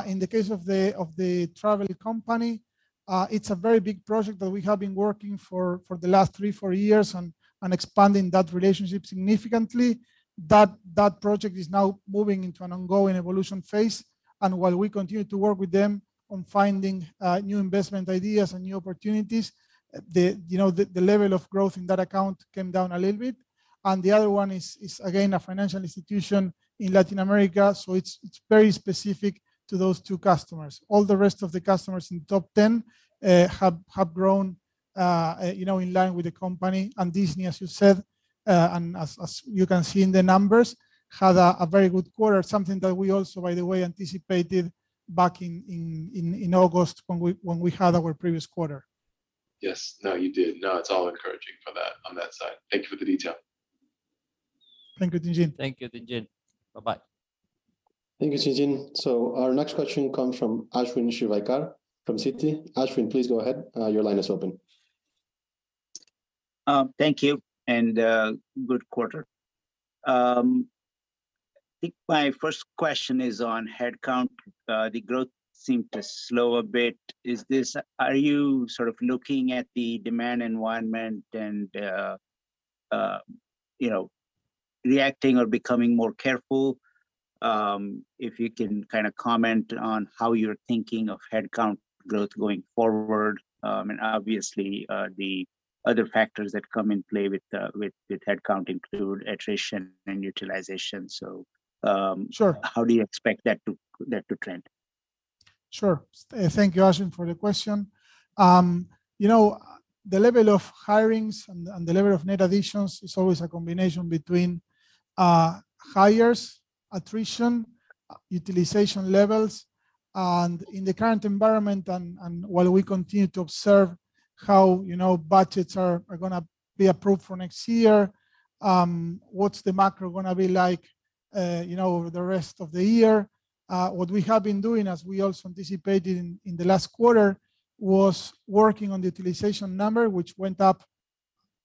In the case of the travel company, it's a very big project that we have been working for the last three to four years and expanding that relationship significantly. That project is now moving into an ongoing evolution phase. While we continue to work with them on finding new investment ideas and new opportunities, the, you know, level of growth in that account came down a little bit. The other one is, again, a financial institution in Latin America, so it's very specific to those two customers. All the rest of the customers in top 10 have grown, you know, in line with the company. Disney, as you said, and as you can see in the numbers, had a very good quarter, something that we also, by the way, anticipated back in August when we had our previous quarter. Yes. No, you did. No, it's all encouraging for that on that side. Thank you for the detail. Thank you, Tien-Tsin. Thank you, Tien-Tsin. Bye-bye. Thank you, Tien-Tsin. Our next question comes from Ashwin Shirvaikar from Citi. Ashwin, please go ahead. Your line is open. Thank you and good quarter. I think my first question is on headcount. The growth seemed to slow a bit. Are you sort of looking at the demand environment and, you know, reacting or becoming more careful? If you can kinda comment on how you're thinking of headcount growth going forward. Obviously, the other factors that come in play with headcount include attrition and utilization. Sure How do you expect that to trend? Sure. Thank you, Ashwin, for the question. You know, the level of hirings and the level of net additions is always a combination between hires, attrition, utilization levels. In the current environment and while we continue to observe how, you know, budgets are gonna be approved for next year, what's the macro gonna be like, you know, over the rest of the year, what we have been doing, as we also anticipated in the last quarter, was working on the utilization number, which went up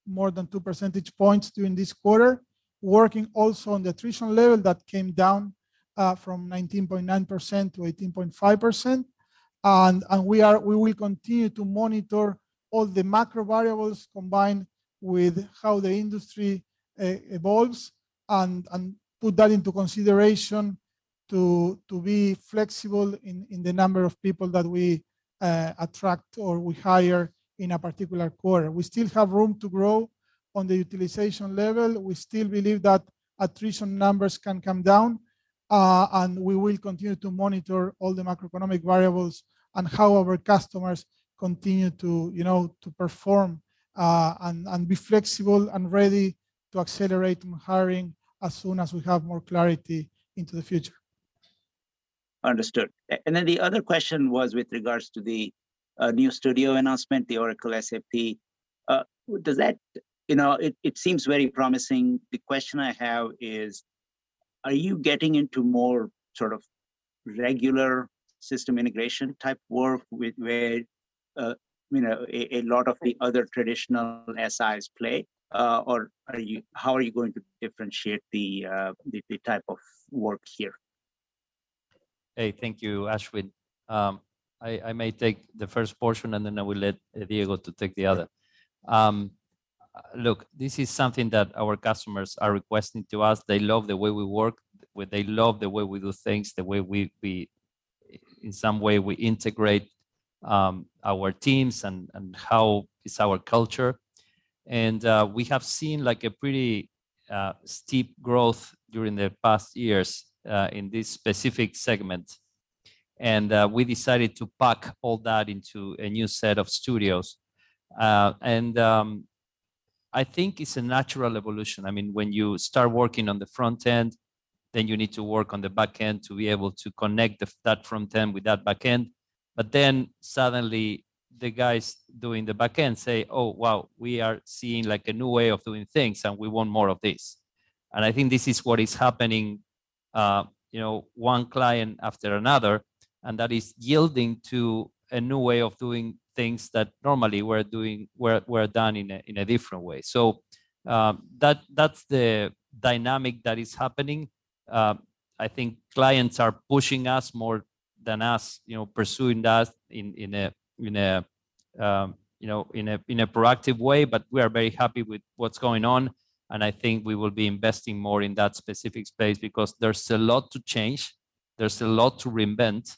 more than two percentage points during this quarter. Working also on the attrition level, that came down from 19.9% to 18.5%. We will continue to monitor all the macro variables combined with how the industry evolves and put that into consideration to be flexible in the number of people that we attract or we hire in a particular quarter. We still have room to grow on the utilization level. We still believe that attrition numbers can come down. We will continue to monitor all the macroeconomic variables and how our customers continue, you know, to perform and be flexible and ready to accelerate on hiring as soon as we have more clarity into the future. Understood. The other question was with regards to the new studio announcement, the Oracle, SAP. You know, it seems very promising. The question I have is, are you getting into more sort of regular system integration type work with where, you know, a lot of the other traditional S.I.s play? How are you going to differentiate the type of work here? Hey, thank you, Ashwin. I may take the first portion, and then I will let Diego to take the other. Look, this is something that our customers are requesting to us. They love the way we work. They love the way we do things, the way we in some way we integrate our teams and how is our culture. We have seen like a pretty steep growth during the past years in this specific segment. We decided to pack all that into a new set of studios. I think it's a natural evolution. I mean, when you start working on the front end, then you need to work on the back end to be able to connect that front end with that back end. Suddenly the guys doing the back end say, "Oh, wow, we are seeing like a new way of doing things, and we want more of this." I think this is what is happening, you know, one client after another, and that is yielding to a new way of doing things that normally were done in a different way. That's the dynamic that is happening. I think clients are pushing us more than us, you know, pursuing us in a, you know, proactive way. We are very happy with what's going on, and I think we will be investing more in that specific space because there's a lot to change. There's a lot to reinvent.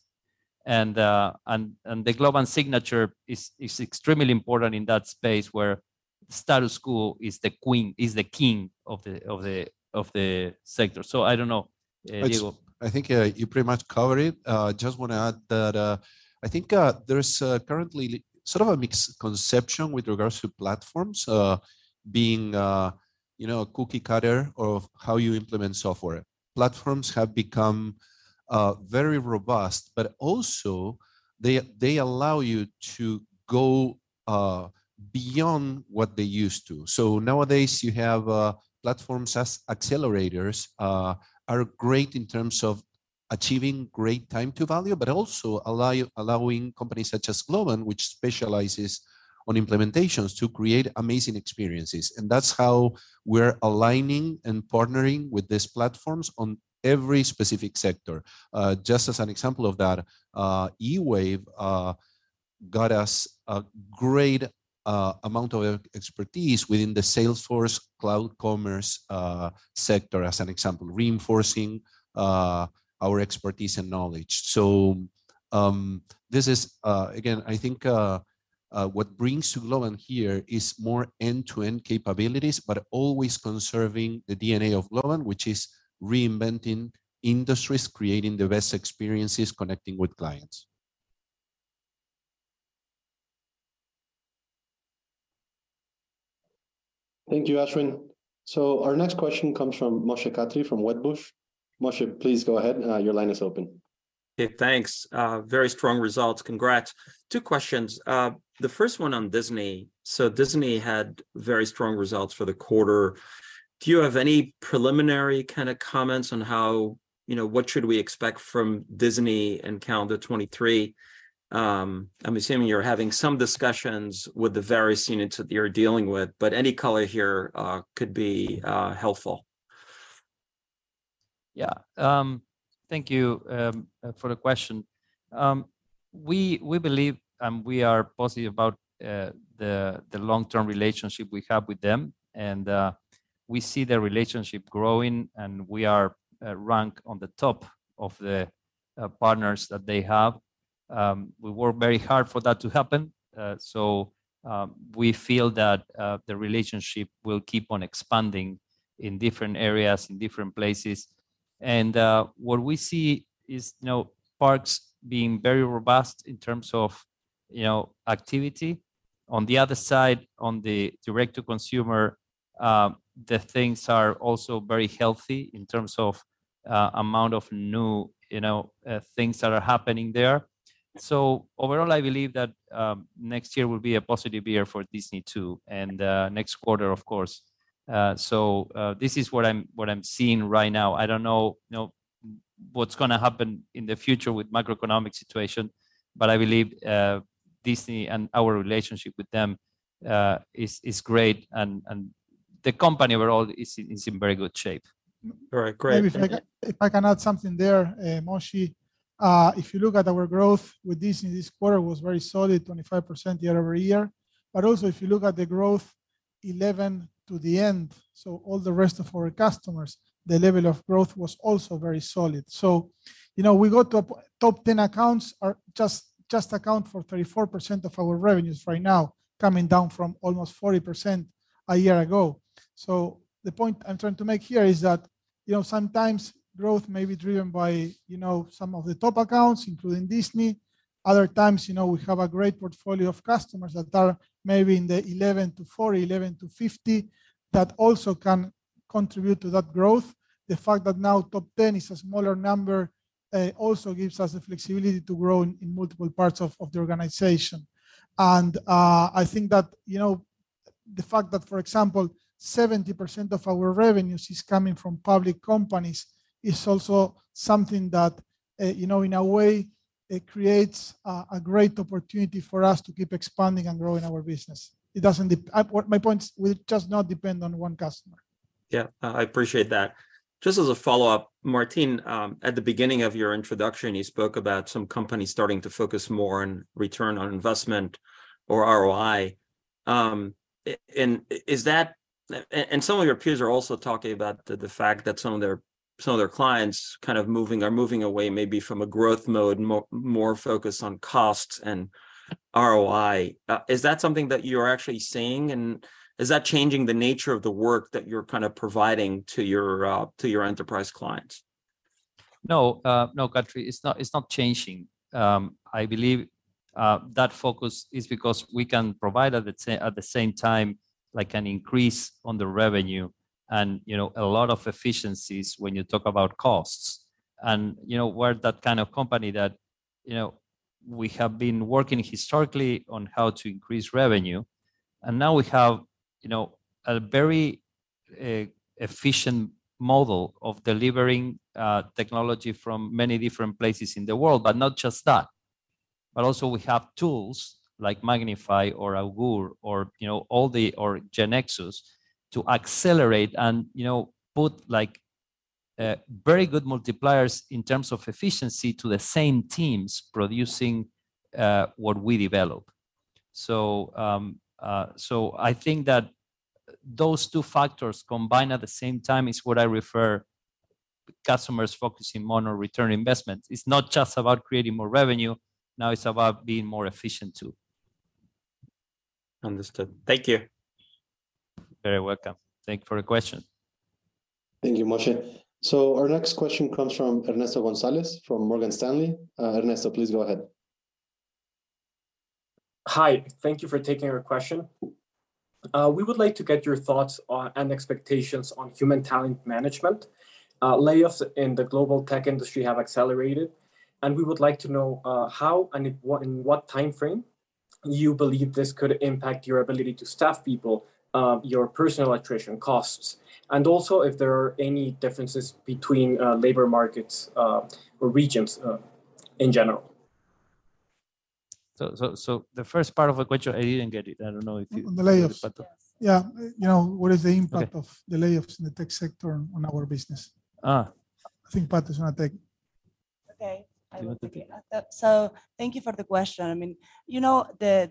The Globant signature is extremely important in that space where status quo is the king of the sector. I don't know, Diego. I think you pretty much covered it. Just wanna add that I think there is currently sort of a misconception with regards to platforms being, you know, a cookie-cutter of how you implement software. Platforms have become very robust, but also they allow you to go beyond what they used to. Nowadays you have platforms as accelerators are great in terms of achieving great time to value, but also allowing companies such as Globant, which specializes on implementations, to create amazing experiences. That's how we're aligning and partnering with these platforms on every specific sector. Just as an example of that, eWave got us a great amount of expertise within the Salesforce Commerce Cloud sector as an example, reinforcing our expertise and knowledge. So, this is, uh, again, I think, what brings to Globant here is more end-to-end capabilities, but always conserving the DNA of Globant, which is reinventing industries, creating the best experiences, connecting with clients. Thank you, Ashwin. Our next question comes from Moshe Katri from Wedbush. Moshe, please go ahead. Your line is open. Hey, thanks. Very strong results. Congrats. Two questions. The first one on Disney. Disney had very strong results for the quarter. Do you have any preliminary kind of comments on, you know, what should we expect from Disney in calendar 2023? I'm assuming you're having some discussions with the various units that you're dealing with, but any color here could be helpful. Yeah. Thank you for the question. We believe and we are positive about the long-term relationship we have with them. We see the relationship growing, and we are ranked on the top of the partners that they have. We work very hard for that to happen. We feel that the relationship will keep on expanding in different areas, in different places. What we see is, you know, parks being very robust in terms of, you know, activity. On the other side, on the direct to consumer, the things are also very healthy in terms of amount of new, you know, things that are happening there. Overall, I believe that next year will be a positive year for Disney too, and next quarter of course. This is what I'm seeing right now. I don't know, you know, what's gonna happen in the future with macroeconomic situation, but I believe Disney and our relationship with them is great and the company overall is in very good shape. All right. Great. Thank you. If I can add something there, Moshe. If you look at our growth with Disney, this quarter was very solid, 25% year-over-year. Also if you look at the growth 11 to the end, so all the rest of our customers, the level of growth was also very solid. You know, top 10 accounts just account for 34% of our revenues right now, coming down from almost 40% a year ago. The point I'm trying to make here is that, you know, sometimes growth may be driven by, you know, some of the top accounts, including Disney. Other times, you know, we have a great portfolio of customers that are maybe in the 11-40, 11-50, that also can contribute to that growth. The fact that now top 10 is a smaller number also gives us the flexibility to grow in multiple parts of the organization. I think that, you know, the fact that, for example, 70% of our revenues is coming from public companies is also something that, you know, in a way it creates a great opportunity for us to keep expanding and growing our business. My point, we just not depend on one customer. Yeah, I appreciate that. Just as a follow-up, Martín, at the beginning of your introduction, you spoke about some companies starting to focus more on return on investment or ROI. Some of your peers are also talking about the fact that some of their clients kind of moving or moving away maybe from a growth mode, more focused on costs and ROI. Is that something that you're actually seeing, and is that changing the nature of the work that you're kind of providing to your enterprise clients? No, Katri. It's not changing. I believe that focus is because we can provide at the same time, like, an increase on the revenue and, you know, a lot of efficiencies when you talk about costs. You know, we're that kind of company that, you know, we have been working historically on how to increase revenue, and now we have, you know, a very efficient model of delivering technology from many different places in the world, but not just that. Also we have tools like MagnifAI or Augoor or, you know, GeneXus to accelerate and, you know, put, like, very good multipliers in terms of efficiency to the same teams producing what we develop. I think that those two factors combined at the same time is what I refer customers focusing more on return investment. It's not just about creating more revenue, now it's about being more efficient too. Understood. Thank you. Very welcome. Thank you for the question. Thank you, Moshe. Our next question comes from Ernesto Gonzalez from Morgan Stanley. Ernesto, please go ahead. Hi. Thank you for taking our question. We would like to get your thoughts on and expectations on human talent management. Layoffs in the global tech industry have accelerated, and we would like to know how and in what timeframe you believe this could impact your ability to staff people, your personnel attrition costs, and also if there are any differences between labor markets or regions in general. The first part of the question, I didn't get it. The layoffs. I don't know if you. Yeah. You know, what is the impact? Okay. Of the layoffs in the tech sector on our business? I think Pat's gonna take. Okay. I will take it. Thank you for the question. I mean, you know, the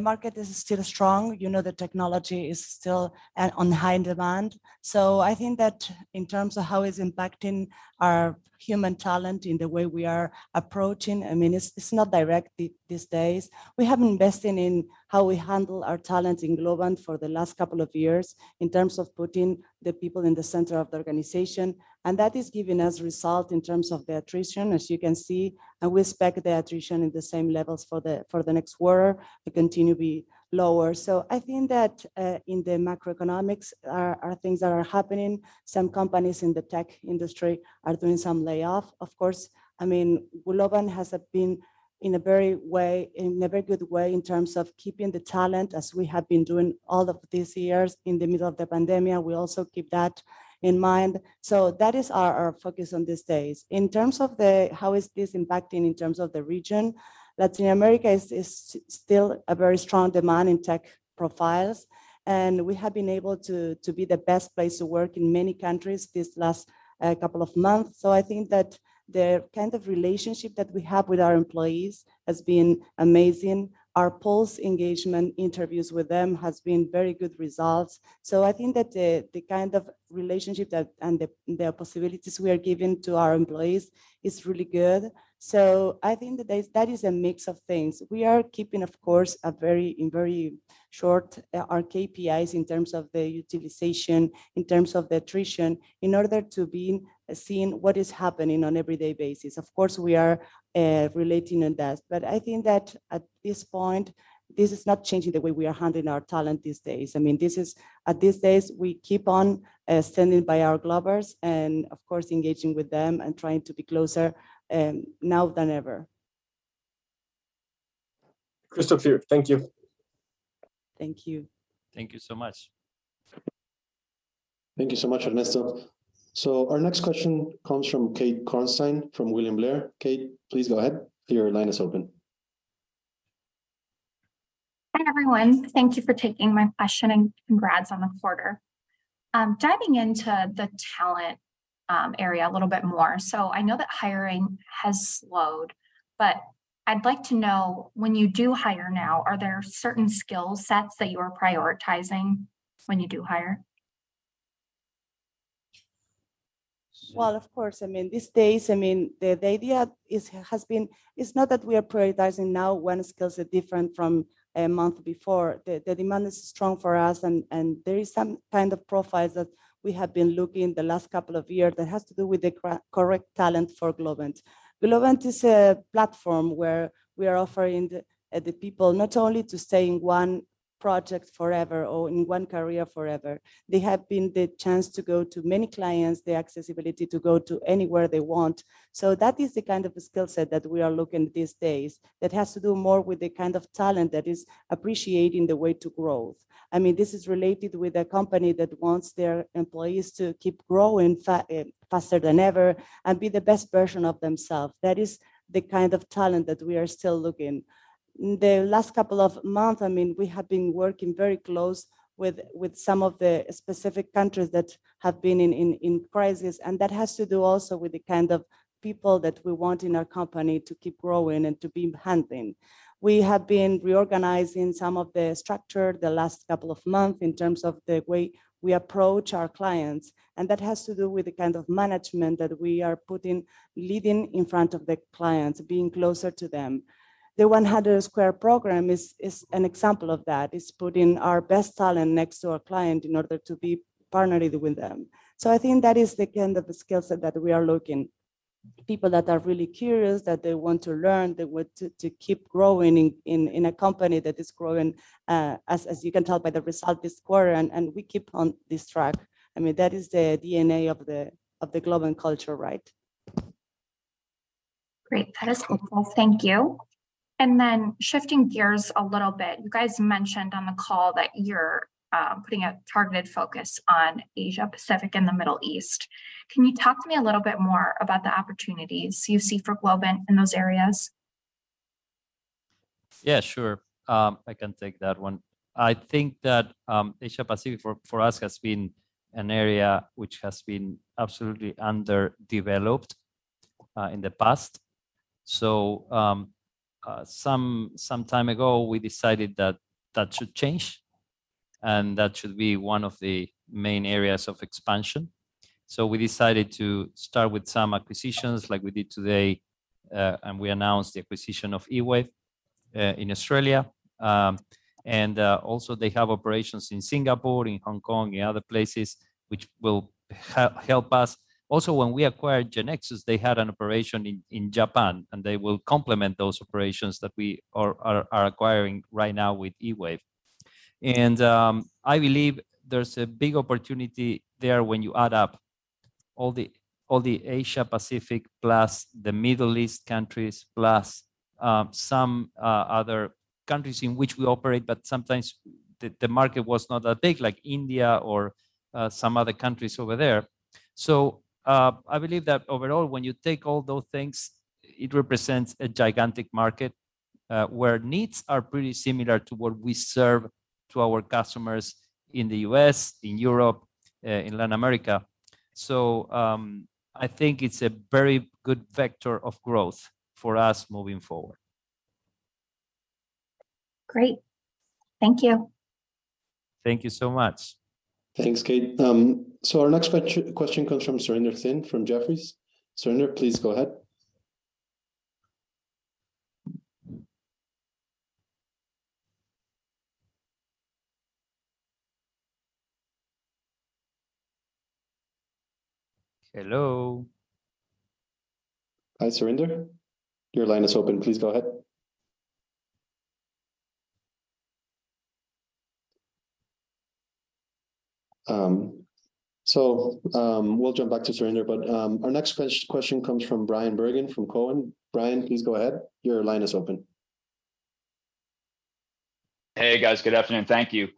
market is still strong. You know, the technology is still on high demand. I think that in terms of how it's impacting our human talent in the way we are approaching, I mean, it's not direct these days. We have invested in how we handle our talent in Globant for the last couple of years in terms of putting the people in the center of the organization, and that has given us result in terms of the attrition, as you can see. We expect the attrition in the same levels for the next quarter to continue to be lower. I think that macroeconomics are things that are happening. Some companies in the tech industry are doing some layoff. Of course, I mean, Globant has been in a very good way in terms of keeping the talent as we have been doing all of these years. In the middle of the pandemic, we also keep that in mind. That is our focus on these days. In terms of how is this impacting in terms of the region, Latin America is still a very strong demand in tech profiles, and we have been able to be the best place to work in many countries this last couple of months. I think that the kind of relationship that we have with our employees has been amazing. Our pulse engagement interviews with them has been very good results. I think that the possibilities we are giving to our employees is really good. I think that is a mix of things. We are keeping, of course, in very short our KPIs in terms of the utilization, in terms of the attrition, in order to be seeing what is happening on everyday basis. Of course, we are relying on that. I think that at this point, this is not changing the way we are handling our talent these days. I mean, at these days, we keep on standing by our Globers and of course engaging with them and trying to be closer now than ever. Christopher, thank you. Thank you. Thank you so much. Thank you so much, Ernesto. Our next question comes from Maggie Nolan from William Blair. Maggie, please go ahead. Your line is open. Hi, everyone. Thank you for taking my question, and congrats on the quarter. Diving into the talent area a little bit more, I know that hiring has slowed. I'd like to know, when you do hire now, are there certain skill sets that you are prioritizing when you do hire? Well, of course. I mean, these days, I mean, the idea is, has been, it's not that we are prioritizing now when skills are different from a month before. The demand is strong for us and there is some kind of profiles that we have been looking the last couple of years that has to do with the correct talent for Globant. Globant is a platform where we are offering the people not only to stay in one. Project forever or in one career forever. They have been the chance to go to many clients, the accessibility to go to anywhere they want. That is the kind of skill set that we are looking these days that has to do more with the kind of talent that is appreciating the way to growth. I mean, this is related with a company that wants their employees to keep growing faster than ever and be the best version of themselves. That is the kind of talent that we are still looking. The last couple of months, I mean, we have been working very close with some of the specific countries that have been in crisis, and that has to do also with the kind of people that we want in our company to keep growing and to be hunting. We have been reorganizing some of the structure the last couple of months in terms of the way we approach our clients, and that has to do with the kind of management that we are putting, leading in front of the clients, being closer to them. The 100 squared program is an example of that. It's putting our best talent next to a client in order to be partnered with them. I think that is the kind of the skill set that we are looking. People that are really curious, that they want to learn, they want to keep growing in a company that is growing as you can tell by the result this quarter, and we keep on this track. I mean, that is the DNA of the Globant culture, right? Great. That is helpful. Thank you. Shifting gears a little bit, you guys mentioned on the call that you're putting a targeted focus on Asia Pacific and the Middle East. Can you talk to me a little bit more about the opportunities you see for Globant in those areas? Yeah, sure. I can take that one. I think that Asia Pacific for us has been an area which has been absolutely underdeveloped in the past. Some time ago, we decided that that should change, and that should be one of the main areas of expansion. We decided to start with some acquisitions like we did today, and we announced the acquisition of eWave in Australia. Also they have operations in Singapore, in Hong Kong, in other places, which will help us. Also, when we acquired GeneXus, they had an operation in Japan, and they will complement those operations that we are acquiring right now with eWave. I believe there's a big opportunity there when you add up all the Asia Pacific, plus the Middle East countries, plus some other countries in which we operate, but sometimes the market was not that big, like India or some other countries over there. I believe that overall, when you take all those things, it represents a gigantic market where needs are pretty similar to what we serve to our customers in the U.S., in Europe, in Latin America. I think it's a very good vector of growth for us moving forward. Great. Thank you. Thank you so much. Thanks, Kate. Our next question comes from Surinder Thind from Jefferies. Surinder, please go ahead. Hello? Hi, Surinder. Your line is open. Please go ahead. We'll jump back to Surinder. Our next question comes from Bryan Bergin from Cowen. Bryan, please go ahead. Your line is open. Hey, guys. Good afternoon. Thank you.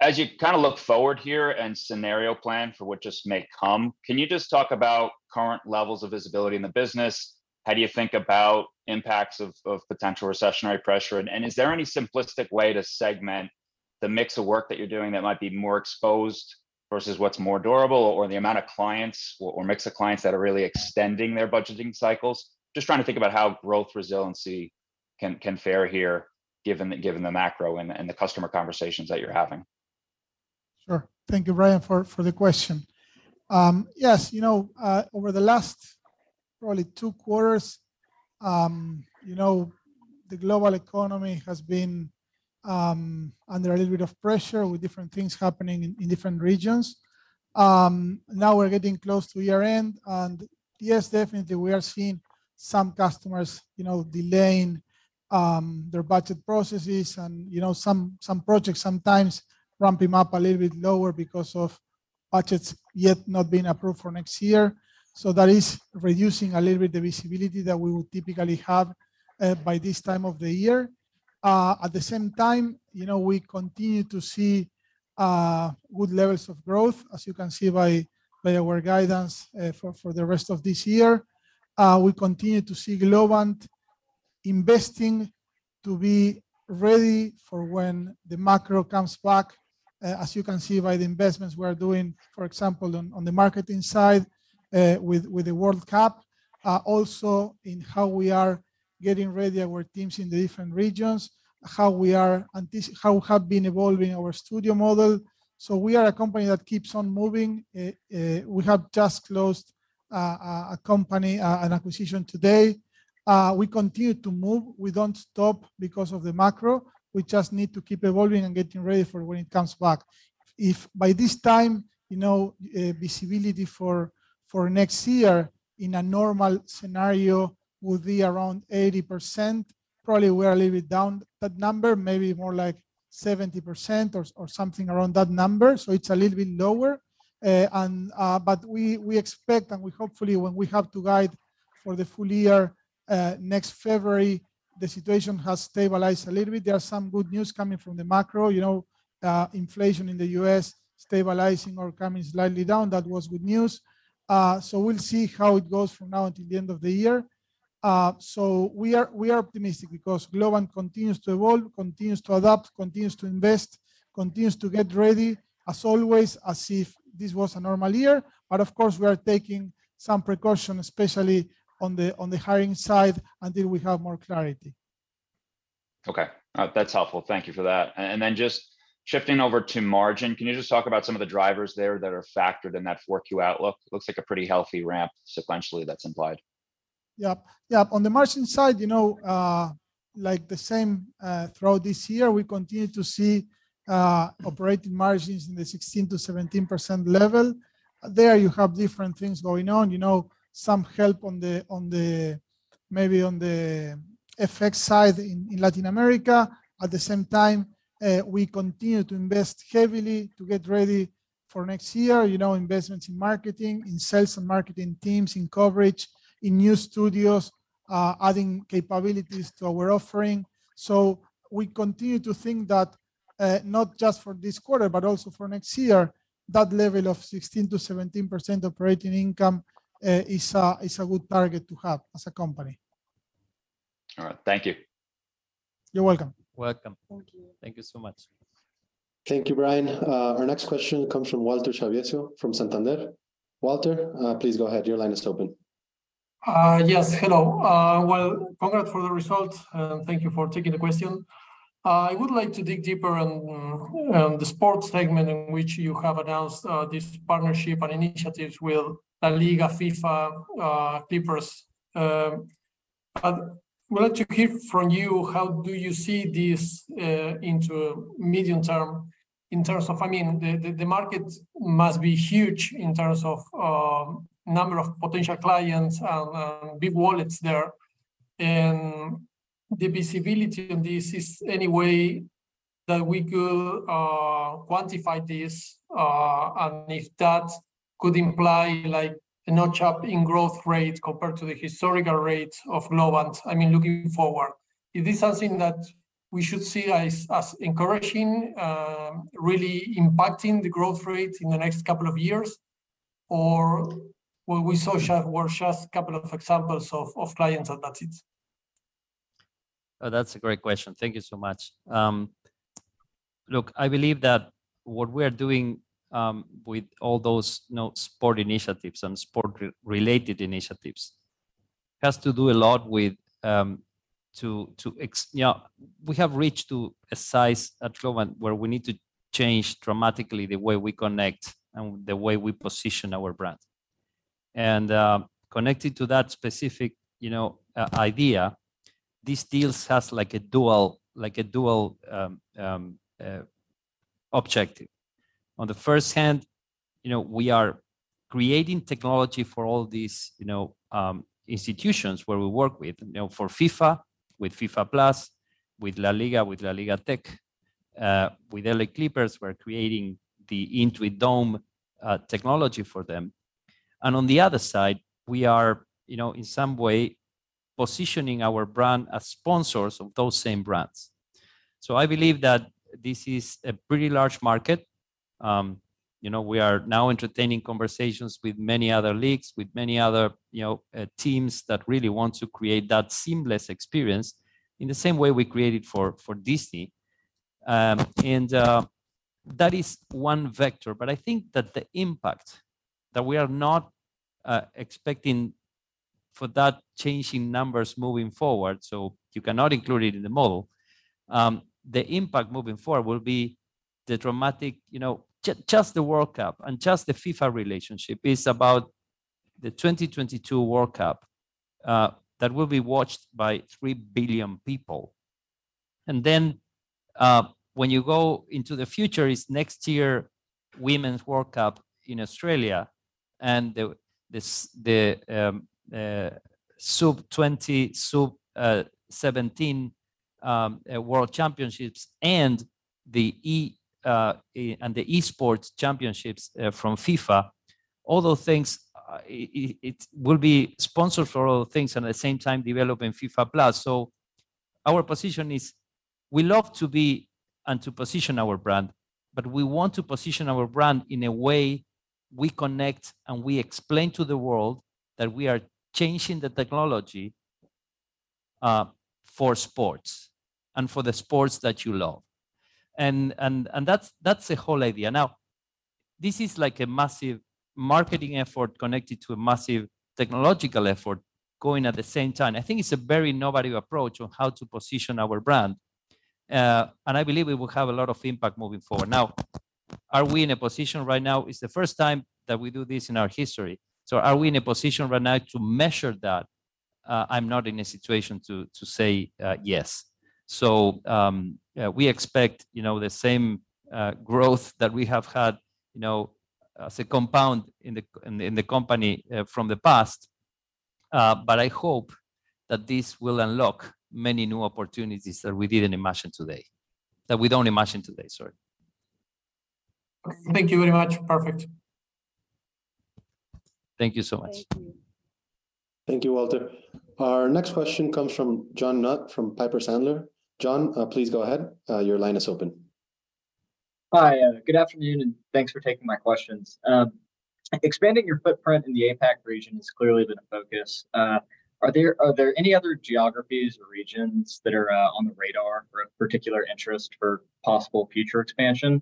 As you kinda look forward here and scenario plan for what just may come, can you just talk about current levels of visibility in the business? How do you think about impacts of potential recessionary pressure? Is there any simplistic way to segment the mix of work that you're doing that might be more exposed versus what's more durable or the amount of clients or mix of clients that are really extending their budgeting cycles? Just trying to think about how growth resiliency can fare here given the macro and the customer conversations that you're having. Sure. Thank you, Bryan, for the question. Yes, you know, over the last probably two quarters, you know, the global economy has been under a little bit of pressure with different things happening in different regions. Now we're getting close to year-end, and yes, definitely we are seeing some customers, you know, delaying their budget processes and, you know, some projects sometimes ramping up a little bit lower because of budgets yet not being approved for next year. That is reducing a little bit the visibility that we would typically have by this time of the year. At the same time, you know, we continue to see good levels of growth, as you can see by our guidance for the rest of this year. We continue to see Globant investing to be ready for when the macro comes back, as you can see by the investments we are doing, for example, on the marketing side, with the World Cup. Also in how we are getting ready our teams in the different regions, how we have been evolving our studio model. We are a company that keeps on moving. We have just closed an acquisition today. We continue to move. We don't stop because of the macro. We just need to keep evolving and getting ready for when it comes back. If by this time, you know, visibility for next year in a normal scenario would be around 80%, probably we are a little bit down that number, maybe more like 70% or something around that number. It's a little bit lower. We expect and we hopefully when we have to guide for the full year next February, the situation has stabilized a little bit. There are some good news coming from the macro, you know, inflation in the U.S. stabilizing or coming slightly down. That was good news. We'll see how it goes from now until the end of the year. We are optimistic because Globant continues to evolve, continues to adapt, continues to invest, continues to get ready as always as if this was a normal year. Of course, we are taking some precaution, especially on the hiring side until we have more clarity. Okay. That's helpful. Thank you for that. Just shifting over to margin, can you just talk about some of the drivers there that are factored in that 4Q outlook? Looks like a pretty healthy ramp sequentially that's implied. Yep. Yep. On the margin side, you know, uh, like the same, uh, throughout this year, we continue to see, uh, operating margins in the 16%-17% level. There you have different things going on, you know, some help on the, on the, maybe on the FX side in Latin America. At the same time, uh, we continue to invest heavily to get ready for next year. You know, investments in marketing, in sales and marketing teams, in coverage, in new studios, uh, adding capabilities to our offering. So we continue to think that, uh, not just for this quarter, but also for next year, that level of sixteen to seventeen percent operating income, uh, is a, is a good target to have as a company. All right. Thank you. You're welcome. Welcome. Thank you. Thank you so much. Thank you, Bryan. Our next question comes from Walter Chiarvesio from Santander. Walter, please go ahead. Your line is open. Yes. Hello. Well, congrats for the results, and thank you for taking the question. I would like to dig deeper on the sports segment in which you have announced this partnership and initiatives with LaLiga, FIFA, Clippers. I would like to hear from you how do you see this into medium term in terms of, I mean, the market must be huge in terms of number of potential clients and big wallets there. The visibility in this, is there any way that we could quantify this, and if that could imply like a notch up in growth rate compared to the historical rate of Globant? I mean, looking forward, is this something that we should see as encouraging, really impacting the growth rate in the next couple of years, or were just a couple of examples of clients and that's it? Oh, that's a great question. Thank you so much. Look, I believe that what we are doing with all those, you know, sport initiatives and sport re-related initiatives has to do a lot with. You know, we have reached to a size at Globant where we need to change dramatically the way we connect and the way we position our brand. Connected to that specific, you know, idea, these deals has like a dual objective. On the first hand, you know, we are creating technology for all these, you know, institutions where we work with, you know, for FIFA, with FIFA+, with LaLiga, with LaLiga Tech, with L.A. Clippers, we're creating the Intuit Dome technology for them. On the other side, we are, you know, in some way positioning our brand as sponsors of those same brands. I believe that this is a pretty large market. You know, we are now entertaining conversations with many other leagues, with many other, you know, teams that really want to create that seamless experience in the same way we created for Disney. That is one vector. I think that the impact that we are not expecting for that change in numbers moving forward, so you cannot include it in the model. The impact moving forward will be the dramatic, you know, just the World Cup and just the FIFA relationship is about the 2022 World Cup that will be watched by 3 billion people. When you go into the future, it's next year Women's World Cup in Australia and the sub-20, sub-17 world championships and the Esports championships from FIFA. All those things it will be sponsored for all things and at the same time developing FIFA+. Our position is we love to be and to position our brand, but we want to position our brand in a way we connect, and we explain to the world that we are changing the technology for sports and for the sports that you love. That's the whole idea. Now, this is like a massive marketing effort connected to a massive technological effort going at the same time. I think it's a very novel approach on how to position our brand. I believe it will have a lot of impact moving forward. Now, are we in a position right now? It's the first time that we do this in our history. Are we in a position right now to measure that? I'm not in a situation to say yes. We expect, you know, the same growth that we have had, you know, as a compound in the company from the past. I hope that this will unlock many new opportunities that we don't imagine today, sorry. Thank you very much. Perfect. Thank you so much. Thank you. Thank you, Walter. Our next question comes from Clarke Jeffries from Piper Sandler. Clarke, please go ahead. Your line is open. Hi. Good afternoon, and thanks for taking my questions. Expanding your footprint in the APAC region has clearly been a focus. Are there any other geographies or regions that are on the radar or of particular interest for possible future expansion?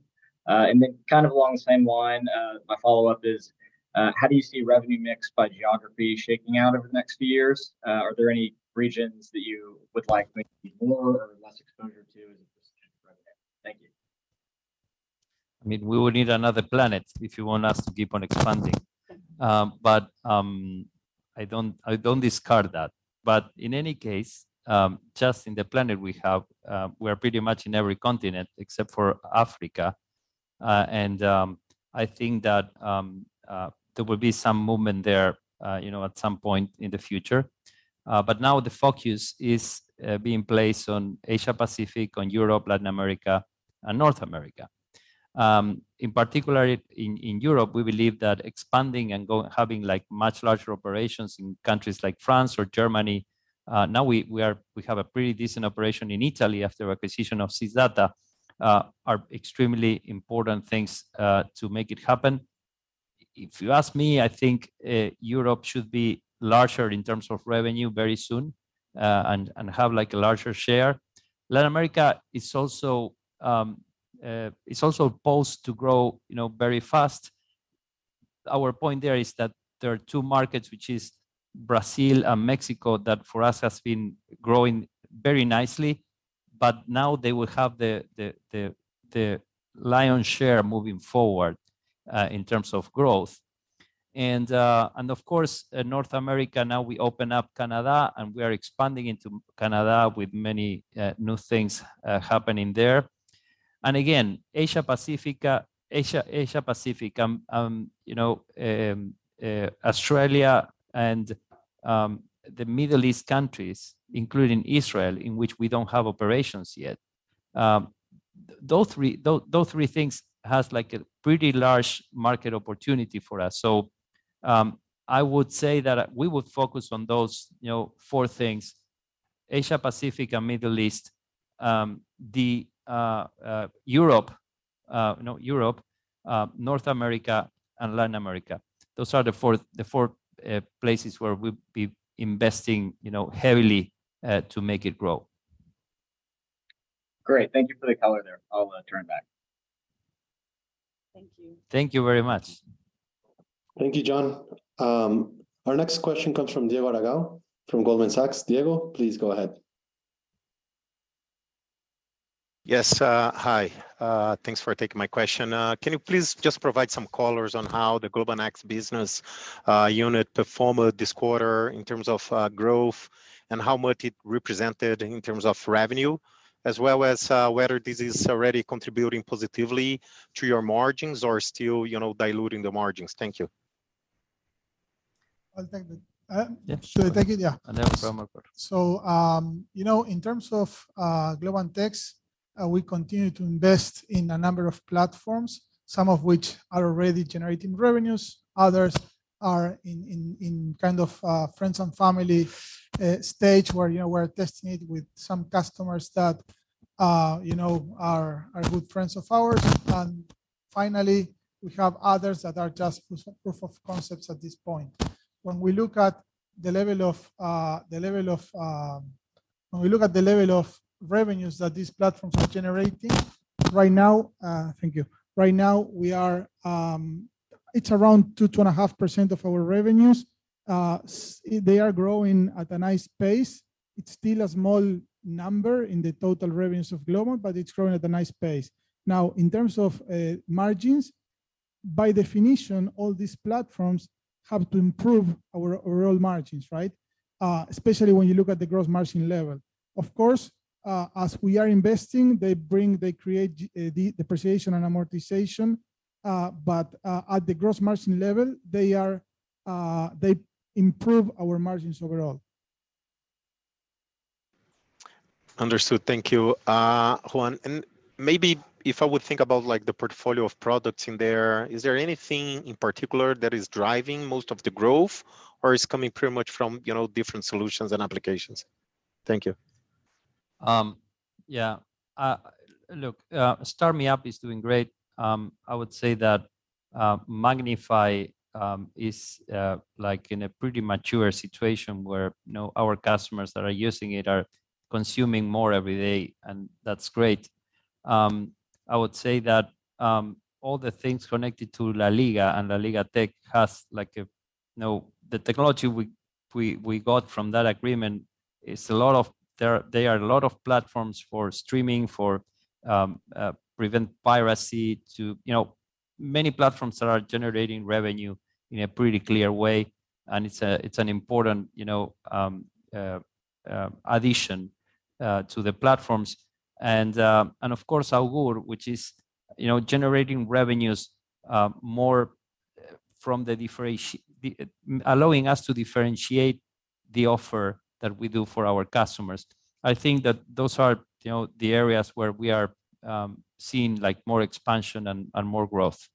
Kind of along the same line, my follow-up is, how do you see revenue mix by geography shaking out over the next few years? Are there any regions that you would like maybe more or less exposure to as it relates to revenue? Thank you. I mean, we would need another planet if you want us to keep on expanding. I don't discard that. In any case, just in the planet we have, we're pretty much in every continent except for Africa. I think that there will be some movement there, you know, at some point in the future. Now the focus is being placed on Asia Pacific, on Europe, Latin America, and North America. In particular in Europe, we believe that expanding and having, like, much larger operations in countries like France or Germany, now we have a pretty decent operation in Italy after acquisition of Sysdata, are extremely important things to make it happen. If you ask me, I think Europe should be larger in terms of revenue very soon and have like a larger share. Latin America is also poised to grow, you know, very fast. Our point there is that there are two markets, which is Brazil and Mexico, that for us has been growing very nicely, but now they will have the lion's share moving forward in terms of growth. Of course, North America, now we open up Canada, and we are expanding into Canada with many new things happening there. Again, Asia Pacific, you know, Australia and the Middle East countries, including Israel, in which we don't have operations yet, those three things has like a pretty large market opportunity for us. I would say that we would focus on those, you know, four things, Asia Pacific and Middle East, Europe, North America, and Latin America. Those are the four places where we'll be investing, you know, heavily to make it grow. Great. Thank you for the color there. I'll turn back. Thank you. Thank you very much. Thank you, John. Our next question comes from Diego Aragão from Goldman Sachs. Diego, please go ahead. Yes. Hi. Thanks for taking my question. Can you please just provide some colors on how the Globant X business unit performed this quarter in terms of growth and how much it represented in terms of revenue, as well as whether this is already contributing positively to your margins or still, you know, diluting the margins? Thank you. Should I take it? Yeah. You know, in terms of Globant X, we continue to invest in a number of platforms, some of which are already generating revenues, others are in kind of a friends and family stage where, you know, we're testing it with some customers that, you know, are good friends of ours. Finally, we have others that are just proof of concepts at this point. When we look at the level of revenues that these platforms are generating right now, thank you, right now it's around 2%-2.5% of our revenues. They are growing at a nice pace. It's still a small number in the total revenues of Globant, but it's growing at a nice pace. Now, in terms of margins, by definition, all these platforms have to improve our overall margins, right? Especially when you look at the gross margin level. Of course, as we are investing, they create the depreciation and amortization, but at the gross margin level, they improve our margins overall. Understood. Thank you, Juan. Maybe if I would think about like the portfolio of products in there, is there anything in particular that is driving most of the growth or is coming pretty much from, you know, different solutions and applications? Thank you. Yeah. Look, StarMeUp is doing great. I would say that MagnifAI is like in a pretty mature situation where, you know, our customers that are using it are consuming more every day, and that's great. I would say that all the things connected to LaLiga and LaLiga Tech, you know, the technology we got from that agreement, there are a lot of platforms for streaming, for prevent piracy to, you know, many platforms that are generating revenue in a pretty clear way. It's an important, you know, addition to the platforms. Of course, Augoor, which is, you know, generating revenues more from allowing us to differentiate the offer that we do for our customers. I think that those are, you know, the areas where we are seeing like more expansion and more growth.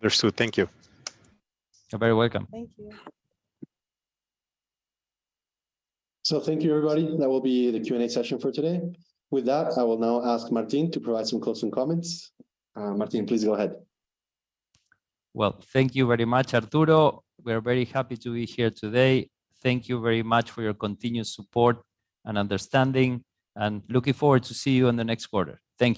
Understood. Thank you. You're very welcome. Thank you. Thank you, everybody. That will be the Q&A session for today. With that, I will now ask Martín to provide some closing comments. Martín, please go ahead. Well, thank you very much, Arturo. We're very happy to be here today. Thank you very much for your continued support and understanding, and looking forward to see you in the next quarter. Thank you.